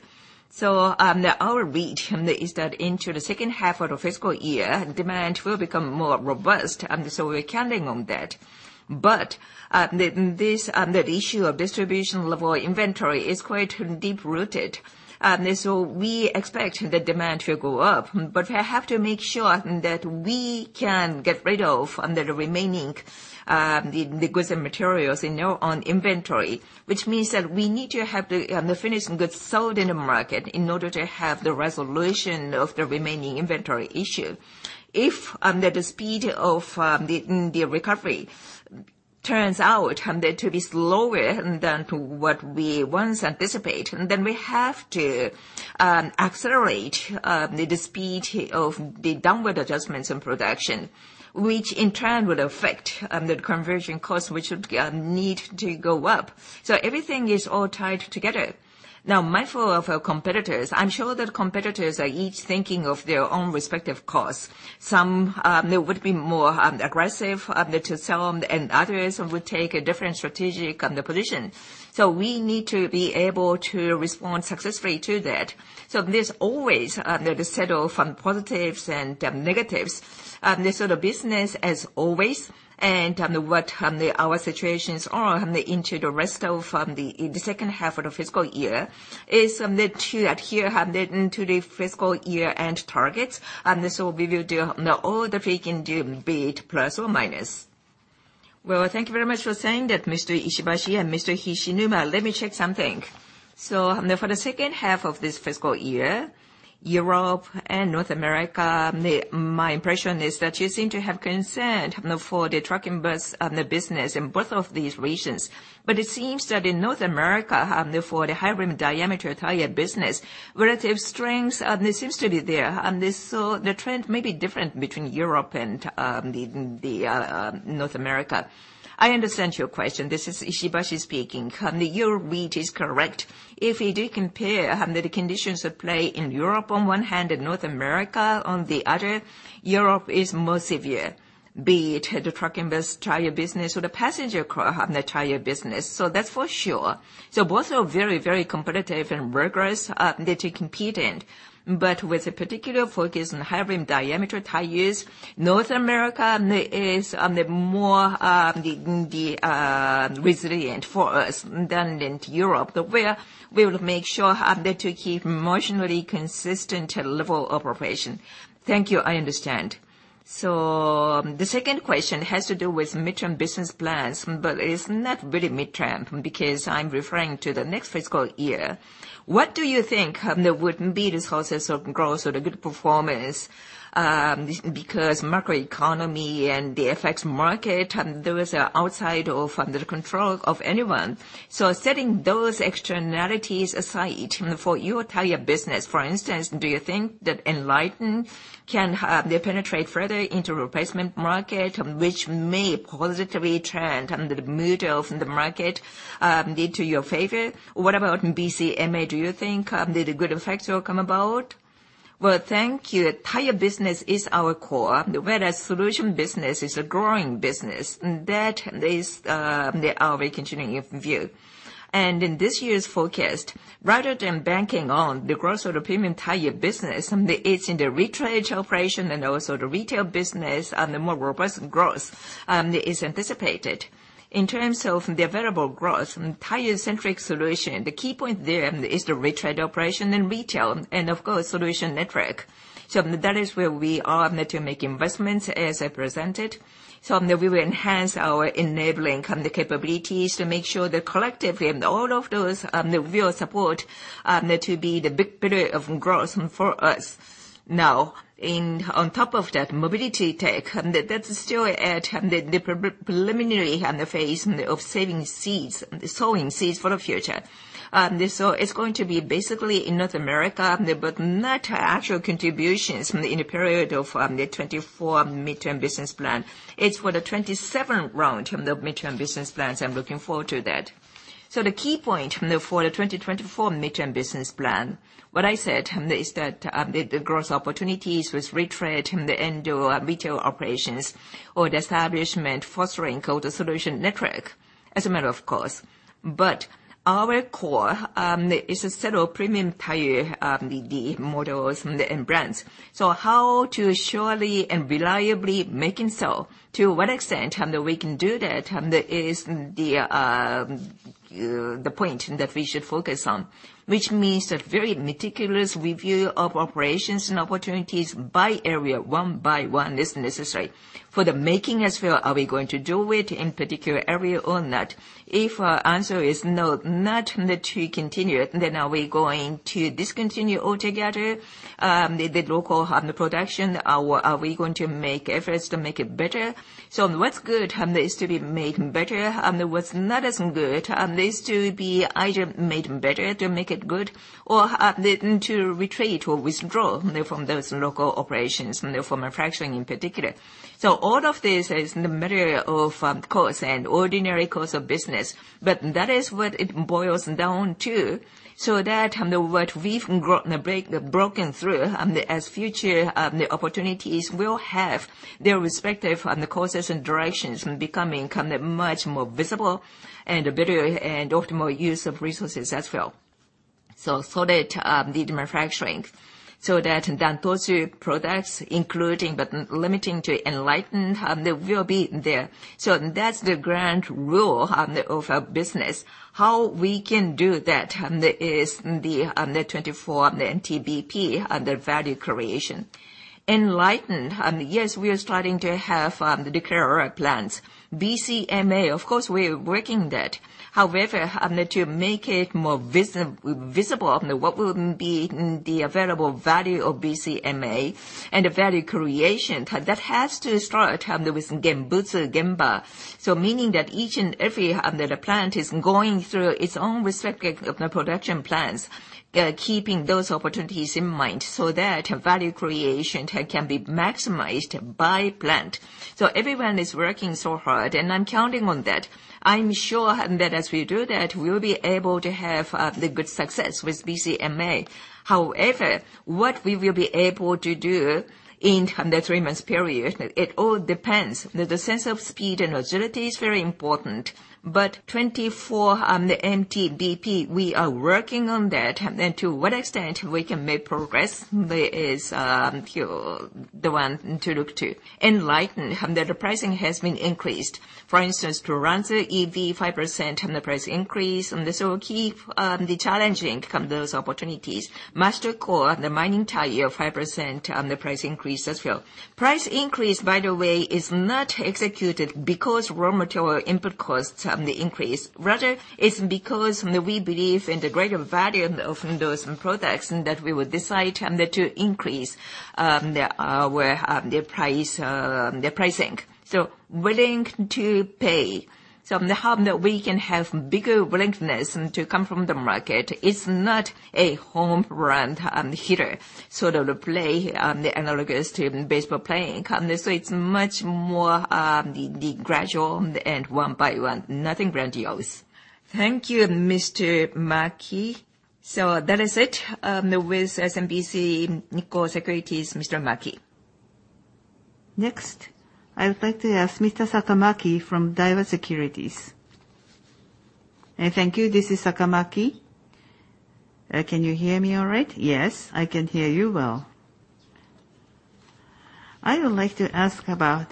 Our read is that into the second half of the fiscal year, demand will become more robust, and so we're counting on that. The issue of distribution level inventory is quite deep-rooted. We expect the demand to go up, but we have to make sure that we can get rid of the remaining goods and materials in our own inventory, which means that we need to have the finished goods sold in the market in order to have the resolution of the remaining inventory issue. If the speed of the recovery turns out there to be slower than what we once anticipate, then we have to accelerate the speed of the downward adjustments in production, which in turn will affect the conversion cost, which would need to go up. Everything is all tied together. Mindful of our competitors, I'm sure that competitors are each thinking of their own respective costs. Some, there would be more aggressive to sell, and others would take a different strategic position. We need to be able to respond successfully to that. There's always the set of positives and negatives. The business as always, and what the our situations are into the rest of the second half of the fiscal year, is that to adhere to the fiscal year-end targets. We will do all that we can do, be it plus or minus. Well, thank you very much for saying that, Mr. Ishibashi and Mr. Hishinuma. Let me check something. For the second half of this fiscal year, Europe and North America. My impression is that you seem to have concern for the Truck & Bus business in both of these regions. It seems that in North America, for the high rim diameter Tire Business, relative strengths seems to be there, and so the trend may be different between Europe and North America. I understand your question. This is Ishibashi speaking. Your read is correct. If you do compare the conditions at play in Europe on one hand, and North America on the other, Europe is more severe, be it the Truck & Bus Tire Business or the Passenger Car Tire business. That's for sure. Both are very, very competitive and rigorous to compete in. With a particular focus on high rim diameter tires, North America is the more resilient for us than in Europe, but we will make sure there to keep marginally consistent level of operation. Thank you. I understand. The second question has to do with Mid-Term Business Plans, but it's not really mid-term, because I'm referring to the next fiscal year. What do you think, would be the sources of growth or the good performance, because microeconomy and the effects market, and those are outside of, under the control of anyone. Setting those externalities aside, for your Tire Business, for instance, do you think that ENLITEN can penetrate further into replacement market, which may positively trend under the mood of the market, lead to your favor? What about BCMA, do you think, the good effects will come about? Thank you. Tire Business is our core, whereas Solutions business is a growing business. That is, our continuing view. In this year's forecast, rather than banking on the growth of the Premium Tire Business, it's in the Retread operation and also the Retail business, and the more robust growth is anticipated. In terms of the available growth and tire-centric solution, the key point there is the Retread operation and Retail, and of course, solution network. That is where we are meant to make investments, as I presented. We will enhance our enabling the capabilities to make sure that collectively, all of those will support to be the big period of growth for us. On top of that, mobility tech, that's still at the preliminary phase of saving seeds, sowing seeds for the future. It's going to be basically in North America, but not actual contributions in the period of the 2024 Mid-Term Business Plan. It's for the 2027 round of the Mid-Term Business Plans. I'm looking forward to that. The key point for the 2024 Mid-Term Business Plan, what I said, is that the growth opportunities with Retread in the end or Retail operations or the establishment fostering code solution network, as a matter of course. Our core is a set of premium tire, the, the models and brands. How to surely and reliably make and sell, to what extent, and we can do that, is the point that we should focus on. Which means a very meticulous review of operations and opportunities by area, one by one, is necessary. For the making as well, are we going to do it in particular area or not? If our answer is no, not that we continue it, then are we going to discontinue altogether, the local production? Are we going to make efforts to make it better? What's good is to be made better, and what's not as good is to be either made better to make it good or then to retreat or withdraw from those local operations, from manufacturing in particular. All of this is in the matter of course, and ordinary course of business, but that is what it boils down to, so that what we've broken through as future opportunities will have their respective courses and directions becoming much more visible and better and optimal use of resources as well. That the manufacturing, that the products, including but limiting to ENLITEN, they will be there. That's the grand rule of our business. How we can do that is the 2024, the MBP, under value creation. ENLITEN, yes, we are starting to have the declare our plans. BCMA, of course, we are working that. However, to make it more visible, what will be the available value of BCMA and the value creation, that has to start with Genbutsu-Genba. Meaning that each and every plant is going through its own respective production plans, keeping those opportunities in mind, so that value creation can be maximized by plant. Everyone is working so hard, and I'm counting on that. I'm sure that as we do that, we'll be able to have the good success with BCMA. What we will be able to do in the three months period, it all depends. The sense of speed and agility is very important, but 2024 MBP, we are working on that. To what extent we can make progress is you, the one to look to. ENLITEN, the pricing has been increased. For instance, Turanza EV, 5% on the price increase, and so keep the challenging come those opportunities. MasterCore, the mining tire, 5% on the price increase as well. Price increase, by the way, is not executed because raw material input costs increase. Rather, it's because we believe in the greater value of those products, and that we would decide to increase the, well, the price, the pricing. Willing to pay. We can have bigger willingness to come from the market. It's not a home run hitter, sort of a play, analogous to baseball playing. It's much more the gradual and one by one, nothing grandiose. Thank you, Mr. Maki. That is it with SMBC Nikko Securities, Mr. Maki. Next, I would like to ask Mr. Sakamaki from Daiwa Securities. Thank you. This is Sakamaki. Can you hear me all right? Yes, I can hear you well. I would like to ask about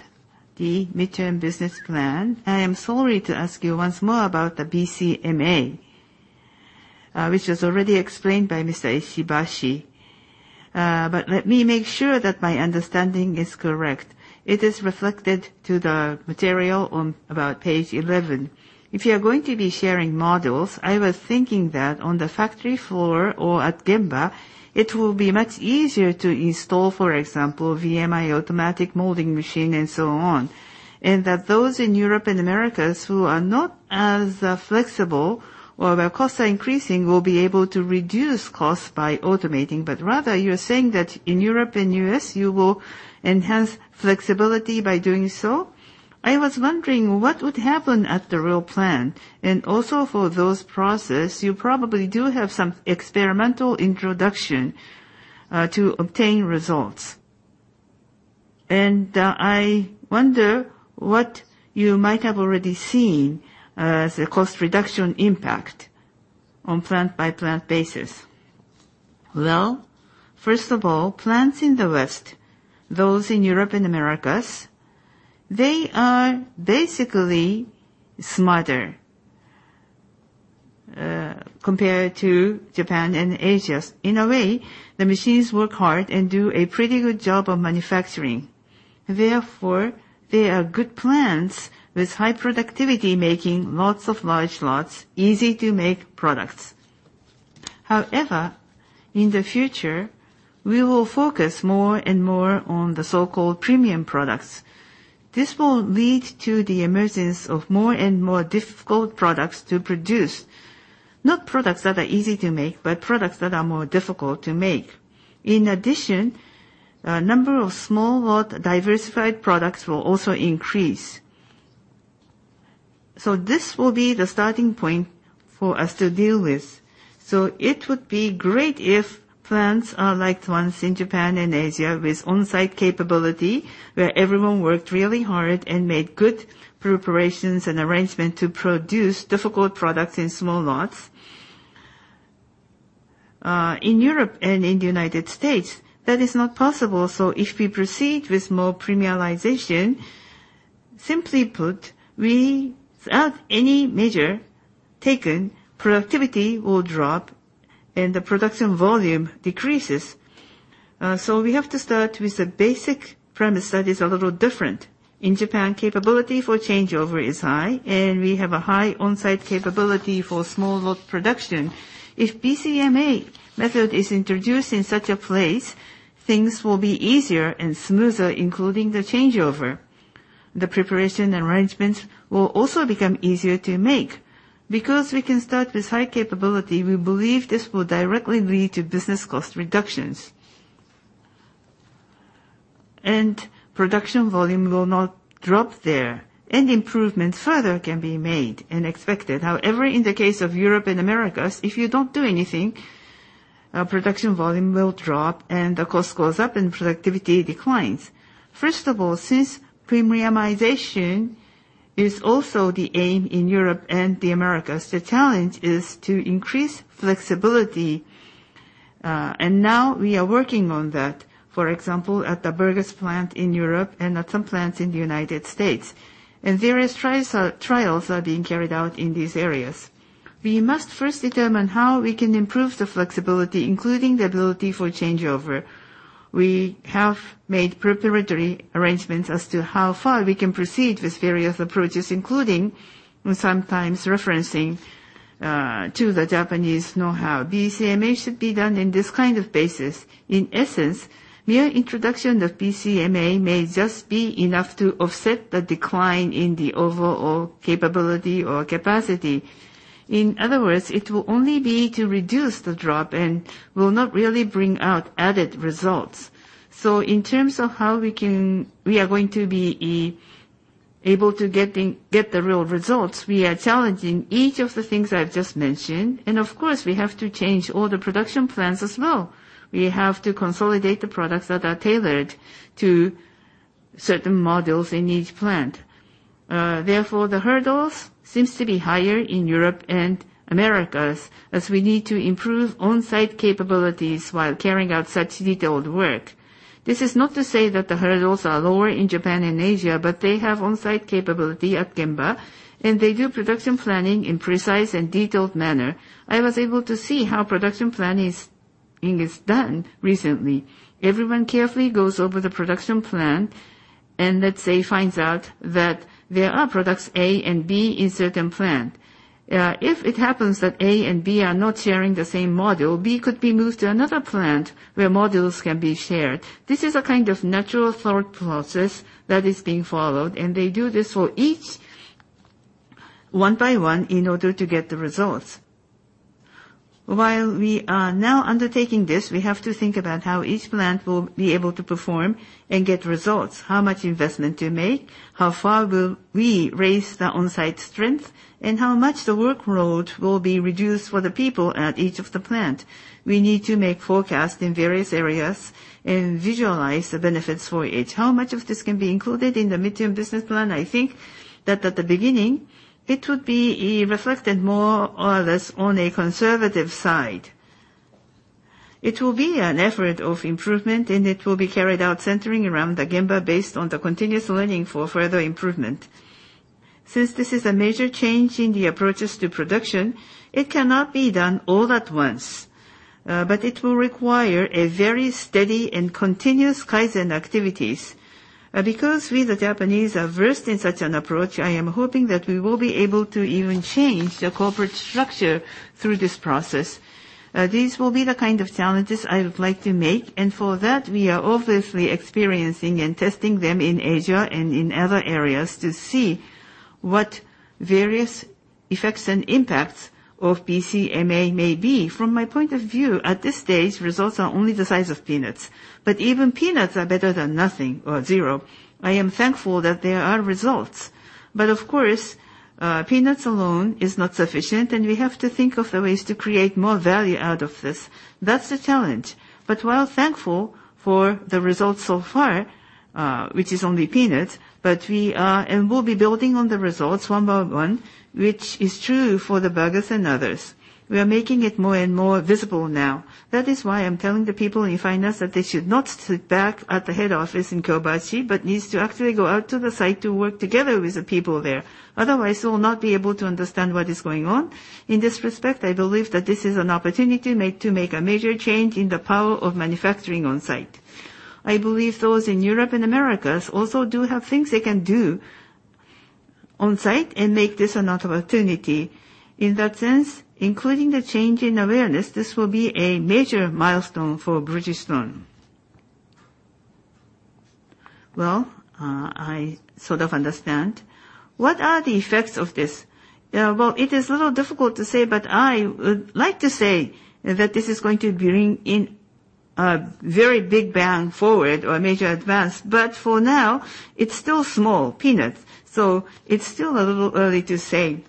the Mid-Term Business Plan. I am sorry to ask you once more about the BCMA, which was already explained by Mr. Ishibashi. Let me make sure that my understanding is correct. It is reflected to the material on about page 11. If you are going to be sharing models, I was thinking that on the factory floor or at Genba, it will be much easier to install, for example, VMI automatic molding machine and so on. That those in Europe and Americas who are not as flexible or their costs are increasing, will be able to reduce costs by automating. Rather, you're saying that in Europe and U.S., you will enhance flexibility by doing so? I was wondering what would happen at the real plan. Also for those process, you probably do have some experimental introduction to obtain results. I wonder what you might have already seen as a cost reduction impact on plant-by-plant basis. Well, first of all, plants in the West, those in Europe and Americas, they are basically smarter compared to Japan and Asia. In a way, the machines work hard and do a pretty good job of manufacturing. Therefore, they are good plants with high productivity, making lots of large lots, easy-to-make products. However, in the future, we will focus more and more on the so-called premium products. This will lead to the emergence of more and more difficult products to produce. Not products that are easy to make, but products that are more difficult to make. In addition, a number of small lot diversified products will also increase. This will be the starting point for us to deal with. It would be great if plants are like the ones in Japan and Asia, with on-site capability, where everyone worked really hard and made good preparations and arrangement to produce difficult products in small lots. In Europe and in the United States, that is not possible. If we proceed with more premiumization, simply put, without any measure taken, productivity will drop and the production volume decreases. We have to start with the basic premise that is a little different. In Japan, capability for changeover is high, and we have a high on-site capability for small lot production. If BCMA method is introduced in such a place, things will be easier and smoother, including the changeover. The preparation and arrangements will also become easier to make. Because we can start with high capability, we believe this will directly lead to business cost reductions. Production volume will not drop there, and improvements further can be made and expected. However, in the case of Europe and Americas, if you don't do anything, production volume will drop and the cost goes up and productivity declines. First of all, since premiumization is also the aim in Europe and the Americas. The challenge is to increase flexibility, and now we are working on that. For example, at the Burgos plant in Europe and at some plants in the United States. Various trials are being carried out in these areas. We must first determine how we can improve the flexibility, including the ability for changeover. We have made preparatory arrangements as to how far we can proceed with various approaches, including, sometimes referencing, to the Japanese know-how. BCMA should be done in this kind of basis. In essence, mere introduction of BCMA may just be enough to offset the decline in the overall capability or capacity. In other words, it will only be to reduce the drop and will not really bring out added results. In terms of how we are going to be able to get the real results, we are challenging each of the things I've just mentioned. Of course, we have to change all the production plans as well. We have to consolidate the products that are tailored to certain modules in each plant. Therefore, the hurdles seems to be higher in Europe and Americas, as we need to improve on-site capabilities while carrying out such detailed work. This is not to say that the hurdles are lower in Japan and Asia, but they have on-site capability at Genba, and they do production planning in precise and detailed manner. I was able to see how production planning is done recently. Everyone carefully goes over the production plan, and let's say, finds out that there are products A and B in certain plant. If it happens that A and B are not sharing the same module, B could be moved to another plant where modules can be shared. This is a kind of natural thought process that is being followed, and they do this for each, one by one, in order to get the results. While we are now undertaking this, we have to think about how each plant will be able to perform and get results. How much investment to make, how far will we raise the on-site strength, and how much the workload will be reduced for the people at each of the plant. We need to make forecasts in various areas and visualize the benefits for each. How much of this can be included in the Mid-Term Business Plan? I think that at the beginning, it would be reflected more or less on a conservative side. It will be an effort of improvement, and it will be carried out centering around the Genba, based on the continuous learning for further improvement. Since this is a major change in the approaches to production, it cannot be done all at once, but it will require a very steady and continuous Kaizen activities. Because we, the Japanese, are versed in such an approach, I am hoping that we will be able to even change the corporate structure through this process. These will be the kind of challenges I would like to make, and for that, we are obviously experiencing and testing them in Asia and in other areas to see what various effects and impacts of BCMA may be. From my point of view, at this stage, results are only the size of peanuts, but even peanuts are better than nothing or zero. I am thankful that there are results, but of course, peanuts alone is not sufficient, and we have to think of the ways to create more value out of this. That's the challenge. While thankful for the results so far, which is only peanuts, but we are and will be building on the results one by one, which is true for the Burgos and others. We are making it more and more visible now. That is why I'm telling the people in finance that they should not sit back at the head office in Kyobashi, but needs to actually go out to the site to work together with the people there. Otherwise, they will not be able to understand what is going on. In this respect, I believe that this is an opportunity made to make a major change in the power of manufacturing on-site. I believe those in Europe and Americas also do have things they can do on-site and make this an opportunity. In that sense, including the change in awareness, this will be a major milestone for Bridgestone. Well, I sort of understand. What are the effects of this? Well, it is a little difficult to say, but I would like to say that this is going to bring in a very big bang forward or a major advance. For now, it's still small, peanuts, so it's still a little early to say.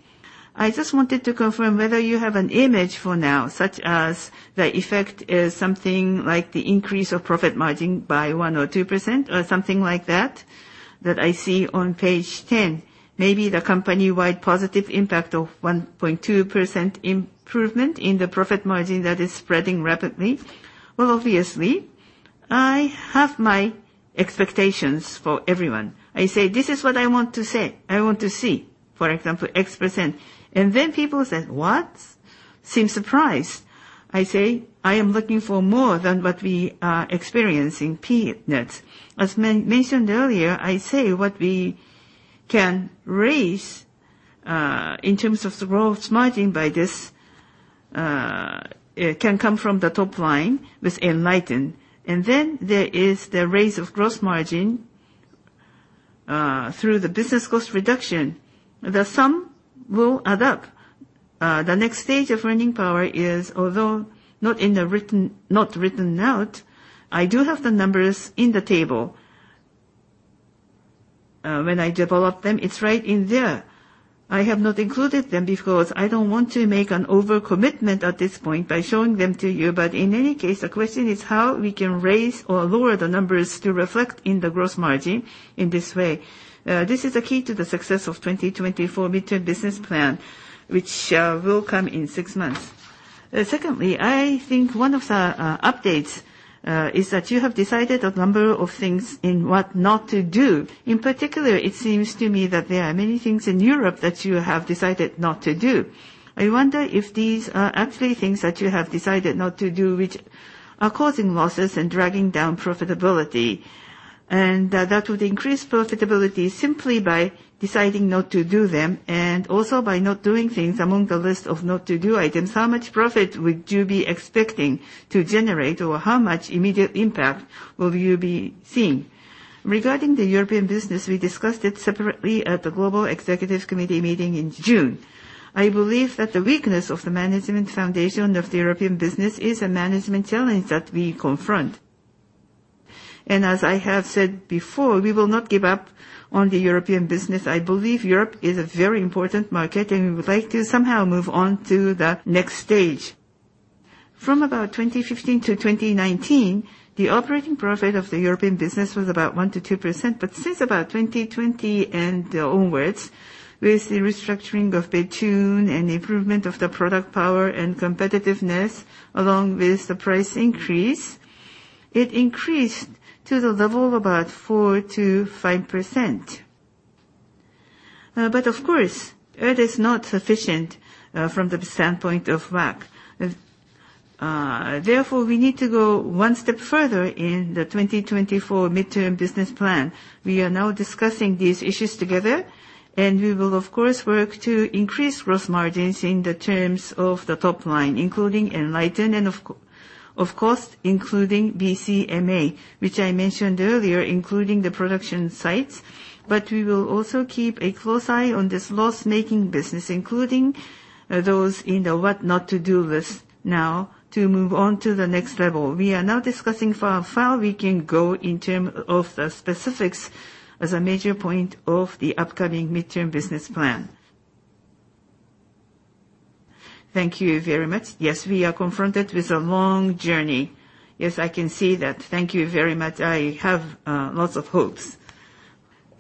I just wanted to confirm whether you have an image for now, such as the effect is something like the increase of profit margin by 1% or 2%, or something like that, that I see on page 10. Maybe the company-wide positive impact of 1.2% improvement in the profit margin that is spreading rapidly. Well, obviously, I have my expectations for everyone. I say, "This is what I want to say, I want to see, for example, X%." Then people say, "What?" Seem surprised. I say, "I am looking for more than what we are experiencing, peanuts." As mentioned earlier, I say what we can raise, in terms of the growth margin by this, can come from the top line with ENLITEN, and then there is the raise of gross margin, through the business cost reduction. The sum will add up. The next stage of earning power is, although not written out, I do have the numbers in the table. When I develop them, it's right in there. I have not included them because I don't want to make an over-commitment at this point by showing them to you. In any case, the question is how we can raise or lower the numbers to reflect in the gross margin in this way. This is the key to the success of 2024 Mid-Term Business Plan, which will come in six months. Secondly, I think one of the updates is that you have decided a number of things in what not to do. In particular, it seems to me that there are many things in Europe that you have decided not to do. I wonder if these are actually things that you have decided not to do, which are causing losses and dragging down profitability, and that, that would increase profitability simply by deciding not to do them, and also by not doing things among the list of not to-do items. How much profit would you be expecting to generate, or how much immediate impact will you be seeing? Regarding the European business, we discussed it separately at the Global Executive Committee meeting in June. I believe that the weakness of the management foundation of the European business is a management challenge that we confront. As I have said before, we will not give up on the European business. I believe Europe is a very important market, and we would like to somehow move on to the next stage. From about 2015 to 2019, the operating profit of the European business was about 1%-2%. Since about 2020 and onwards, with the restructuring of Bethune and improvement of the product power and competitiveness, along with the price increase, it increased to the level of about 4%-5%. But of course, it is not sufficient from the standpoint of ROIC. Therefore, we need to go one step further in the 2024 Mid-Term Business Plan. We are now discussing these issues together, and we will, of course, work to increase gross margins in the terms of the top line, including ENLITEN and of course, including BCMA, which I mentioned earlier, including the production sites. We will also keep a close eye on this loss-making business, including those in the what not to do list now, to move on to the next level. We are now discussing how far we can go in terms of the specifics as a major point of the upcoming Mid-Term Business Plan. Thank you very much. Yes, we are confronted with a long journey. Yes, I can see that. Thank you very much. I have lots of hopes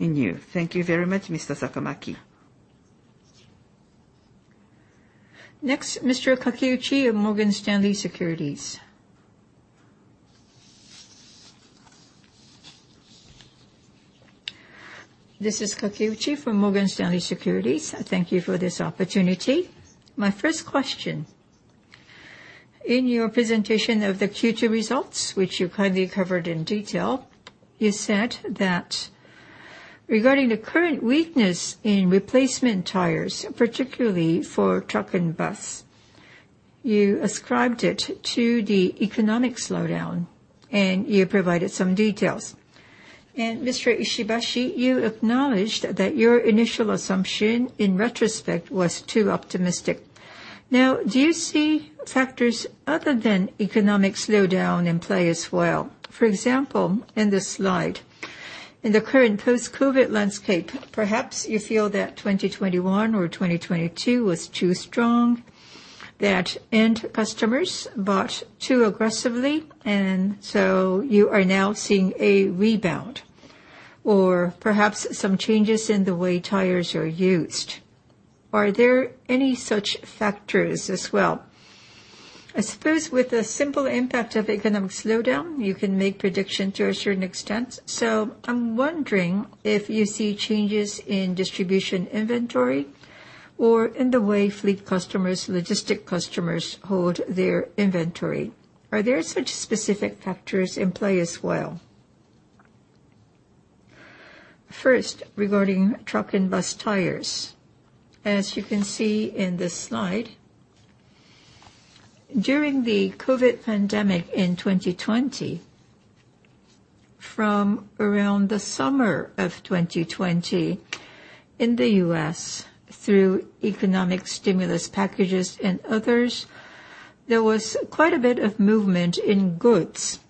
in you. Thank you very much, Mr. Sakamaki. Mr. Kakiuchi of Morgan Stanley Securities. This is Kakiuchi from Morgan Stanley Securities. Thank you for this opportunity. My first question: in your presentation of the Q2 results, which you kindly covered in detail, you said that regarding the current weakness in replacement tires, particularly for Truck & Bus, you ascribed it to the economic slowdown, and you provided some details. Mr. Ishibashi, you acknowledged that your initial assumption, in retrospect, was too optimistic. Do you see factors other than economic slowdown in play as well? For example, in this slide, in the current post-COVID landscape, perhaps you feel that 2021 or 2022 was too strong, that end customers bought too aggressively, you are now seeing a rebound, or perhaps some changes in the way tires are used. Are there any such factors as well? I suppose with the simple impact of economic slowdown, you can make prediction to a certain extent. I'm wondering if you see changes in distribution inventory or in the way fleet customers, logistic customers, hold their inventory. Are there such specific factors in play as well? First, regarding Truck & Bus Tires. As you can see in this slide, during the COVID pandemic in 2020, from around the summer of 2020, in the U.S., through economic stimulus packages and others, there was quite a bit of movement in goods.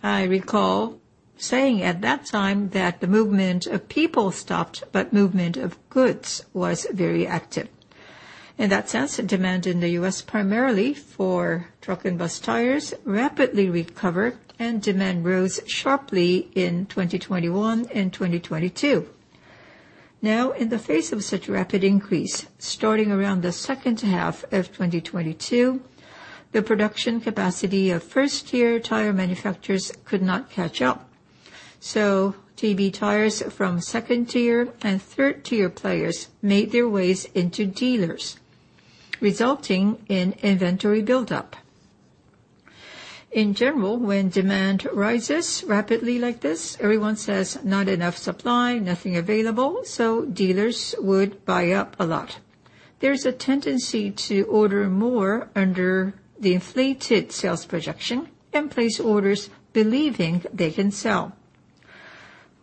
I recall saying at that time that the movement of people stopped, but movement of goods was very active. In that sense, demand in the U.S., primarily for Truck & Bus Tires, rapidly recovered, and demand rose sharply in 2021 and 2022. In the face of such rapid increase, starting around the second half of 2022, the production capacity of first-tier tire manufacturers could not catch up, so TB tires from second-tier and third-tier players made their ways into dealers, resulting in inventory buildup. In general, when demand rises rapidly like this, everyone says, "Not enough supply, nothing available," so dealers would buy up a lot. There's a tendency to order more under the inflated sales projection and place orders believing they can sell.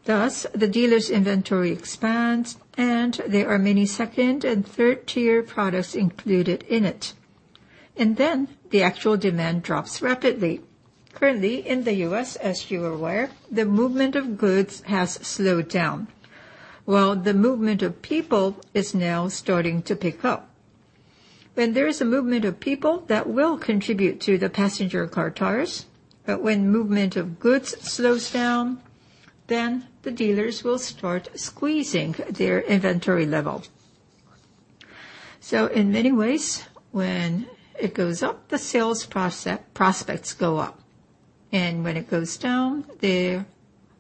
Thus, the dealer's inventory expands, and there are many second and third-tier products included in it. The actual demand drops rapidly. Currently, in the U.S., as you are aware, the movement of goods has slowed down, while the movement of people is now starting to pick up. When there is a movement of people, that will contribute to the Passenger Car Tires, but when movement of goods slows down, then the dealers will start squeezing their inventory level. In many ways, when it goes up, the sales prospects go up, and when it goes down, there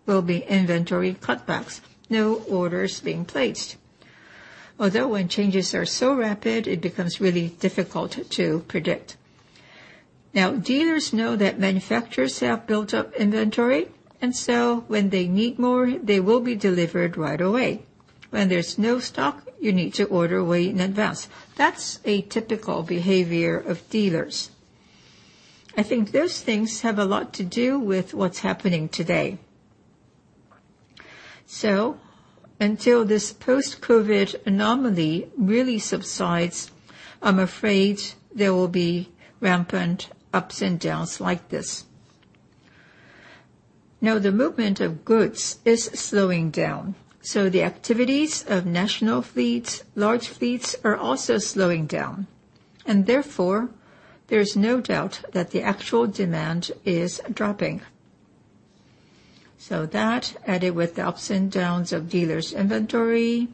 will be inventory cutbacks, no orders being placed. Although when changes are so rapid, it becomes really difficult to predict. Now, dealers know that manufacturers have built up inventory, and so when they need more, they will be delivered right away. When there's no stock, you need to order way in advance. That's a typical behavior of dealers. I think those things have a lot to do with what's happening today. Until this post-COVID anomaly really subsides, I'm afraid there will be rampant ups and downs like this. The movement of goods is slowing down, the activities of national fleets, large fleets, are also slowing down, there's no doubt that the actual demand is dropping. That, added with the ups and downs of dealers' inventory,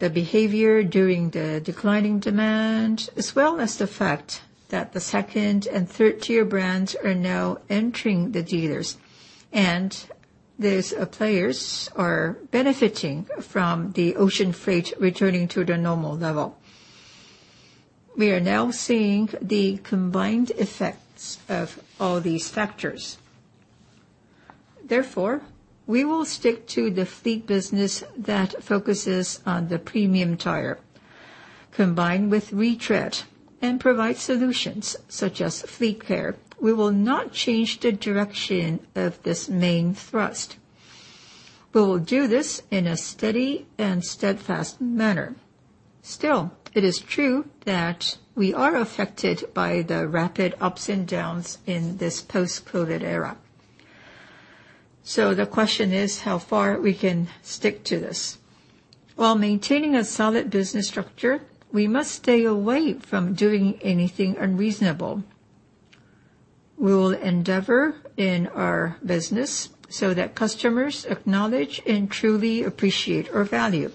the behavior during the declining demand, as well as the fact that the second and third-tier brands are now entering the dealers, and these players are benefiting from the ocean freight returning to their normal level. We are now seeing the combined effects of all these factors. We will stick to the fleet business that focuses on the premium tire, combined with retread, and provide solutions such as Fleet Care. We will not change the direction of this main thrust. We will do this in a steady and steadfast manner. Still, it is true that we are affected by the rapid ups and downs in this post-COVID era. So the question is how far we can stick to this. While maintaining a solid business structure, we must stay away from doing anything unreasonable. We will endeavor in our business so that customers acknowledge and truly appreciate our value.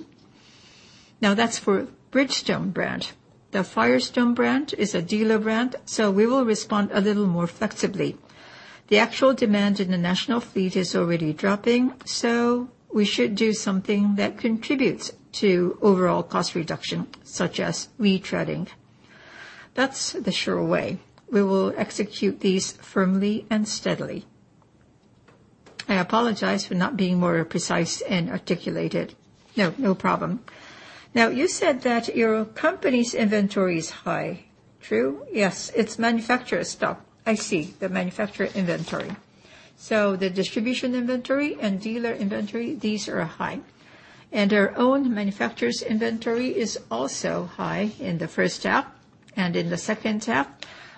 Now, that's for Bridgestone brand. The Firestone brand is a dealer brand, so we will respond a little more flexibly. The actual demand in the national fleet is already dropping, so we should do something that contributes to overall cost reduction, such as retreading. That's the sure way. We will execute these firmly and steadily. I apologize for not being more precise and articulated. No, no problem. You said that your company's inventory is high, true? Yes, it's manufacturer stock. I see. The manufacturer inventory. The distribution inventory and dealer inventory, these are high, and our own manufacturer's inventory is also high in the first half, and in the second half,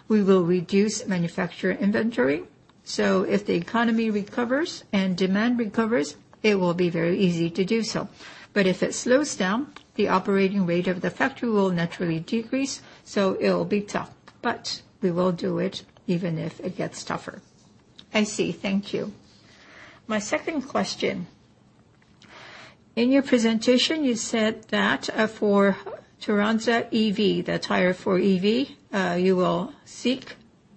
we will reduce manufacturer inventory. If the economy recovers and demand recovers, it will be very easy to do so. If it slows down, the operating rate of the factory will naturally decrease, so it'll be tough, but we will do it even if it gets tougher. I see. Thank you. My second question: In your presentation, you said that for Turanza EV, the tire for EV, you will seek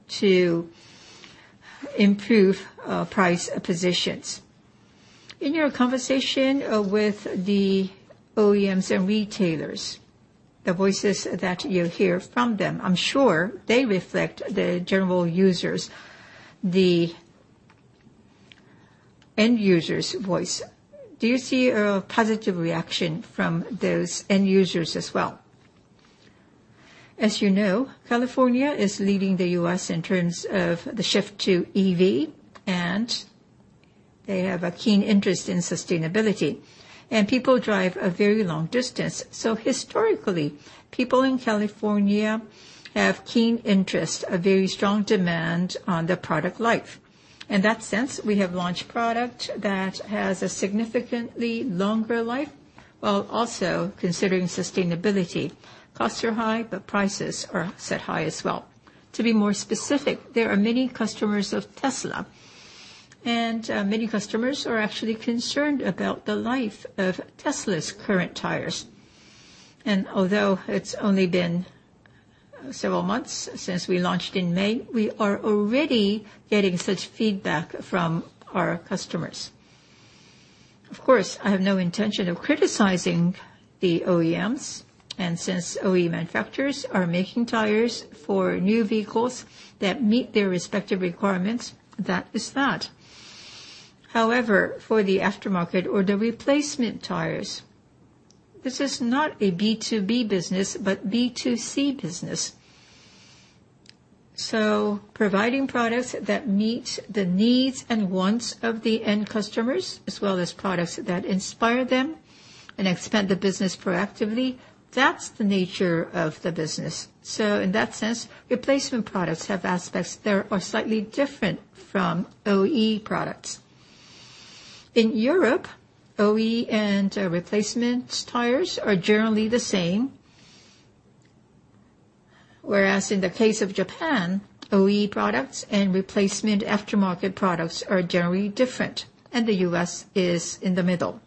to improve price positions. In your conversation with the OEMs and retailers, the voices that you hear from them, I'm sure they reflect the general users, the end user's voice. Do you see a positive reaction from those end users as well? As you know, California is leading the U.S. in terms of the shift to EV, and they have a keen interest in sustainability, and people drive a very long distance. Historically, people in California have keen interest, a very strong demand on the product life. In that sense, we have launched product that has a significantly longer life, while also considering sustainability. Costs are high, but prices are set high as well. To be more specific, there are many customers of Tesla, and many customers are actually concerned about the life of Tesla's current tires. Although it's only been several months since we launched in May, we are already getting such feedback from our customers. Of course, I have no intention of criticizing the OEMs, and since OE manufacturers are making tires for new vehicles that meet their respective requirements, that is that. However, for the aftermarket or the replacement tires, this is not a B2B business, but B2C business. Providing products that meet the needs and wants of the end customers, as well as products that inspire them and expand the business proactively, that's the nature of the business. In that sense, replacement products have aspects that are slightly different from OE products. In Europe, OE and replacement tires are generally the same. Whereas in the case of Japan, OE products and replacement aftermarket products are generally different, and the U.S. is in the middle.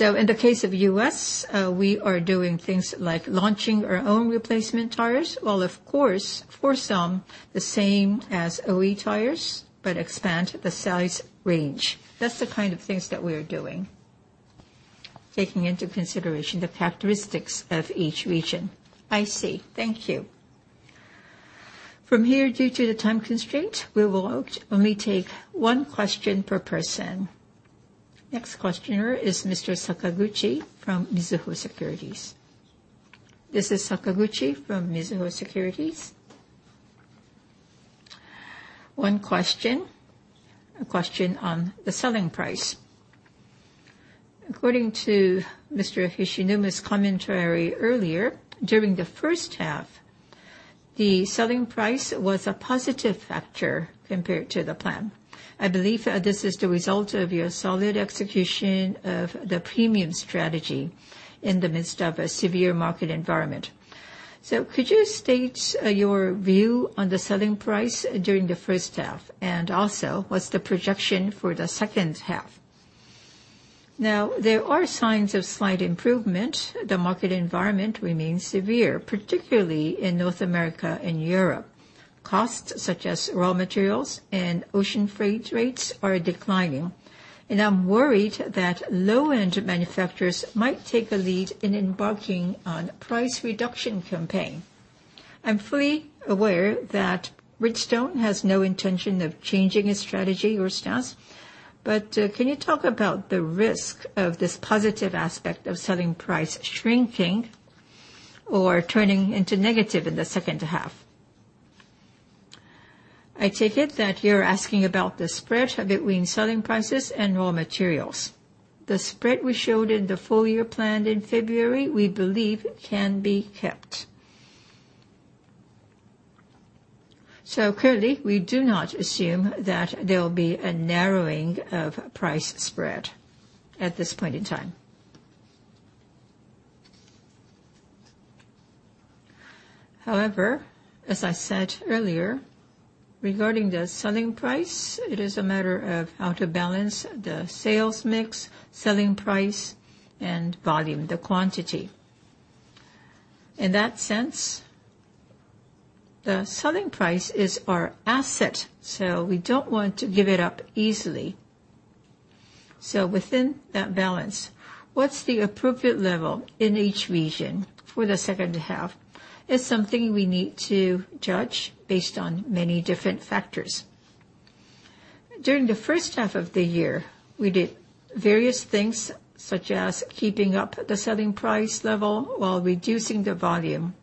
In the case of U.S., we are doing things like launching our own replacement tires, while of course, for some, the same as OE tires, but expand the size range. That's the kind of things that we are doing, taking into consideration the characteristics of each region. I see. Thank you. From here, due to the time constraint, we will only take one question per person. Next questioner is Mr. Sakaguchi from Mizuho Securities. This is Sakaguchi from Mizuho Securities. One question, a question on the selling price. According to Mr. Hishinuma's commentary earlier, during the first half, the selling price was a positive factor compared to the plan. I believe, this is the result of your solid execution of the premium strategy in the midst of a severe market environment. Could you state, your view on the selling price during the first half? Also, what's the projection for the second half? Now, there are signs of slight improvement. The market environment remains severe, particularly in North America and Europe. Costs such as raw materials and ocean freight rates are declining, and I'm worried that low-end manufacturers might take a lead in embarking on price reduction campaign. I'm fully aware that Bridgestone has no intention of changing its strategy or stance, but can you talk about the risk of this positive aspect of selling price shrinking or turning into negative in the second half? I take it that you're asking about the spread between selling prices and raw materials. The spread we showed in the full year plan in February, we believe can be kept. Currently, we do not assume that there will be a narrowing of price spread at this point in time. However, as I said earlier, regarding the selling price, it is a matter of how to balance the sales mix, selling price, and volume, the quantity. In that sense, the selling price is our asset, so we don't want to give it up easily. Within that balance, what's the appropriate level in each region for the second half is something we need to judge based on many different factors. During the first half of the year, we did various things, such as keeping up the selling price level while reducing the volume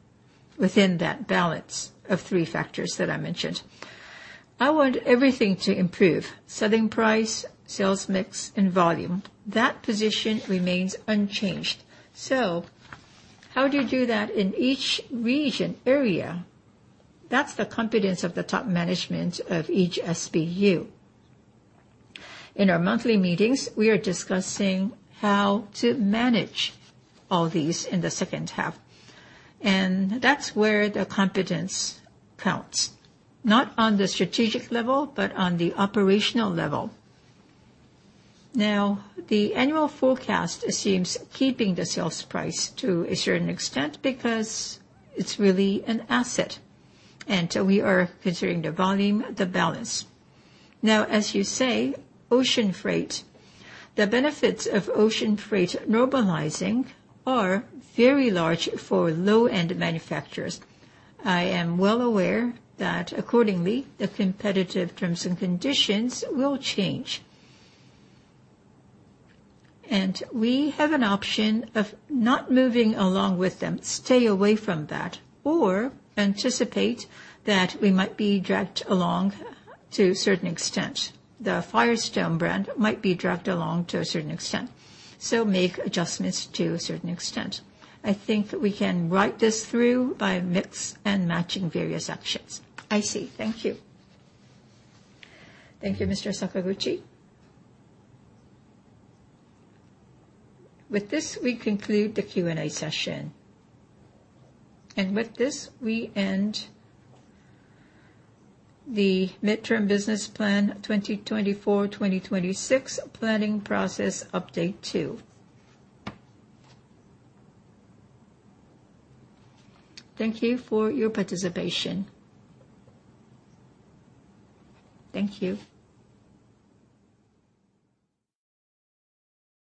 within that balance of three factors that I mentioned. I want everything to improve: selling price, sales mix, and volume. That position remains unchanged. How do you do that in each region, area? That's the competence of the top management of each SBU. In our monthly meetings, we are discussing how to manage all these in the second half, and that's where the competence counts, not on the strategic level, but on the operational level. Now, the annual forecast seems keeping the sales price to a certain extent because it's really an asset, and we are considering the volume, the balance. Now, as you say, ocean freight. The benefits of ocean freight normalizing are very large for low-end manufacturers. I am well aware that accordingly, the competitive terms and conditions will change. We have an option of not moving along with them, stay away from that, or anticipate that we might be dragged along to a certain extent. The Firestone brand might be dragged along to a certain extent, so make adjustments to a certain extent. I think we can ride this through by mix and matching various options. I see. Thank you. Thank you, Mr. Sakaguchi. With this, we conclude the Q&A session. With this, we end the Mid-Term Business Plan 2024-2026 Planning Process Update 2. Thank you for your participation. Thank you.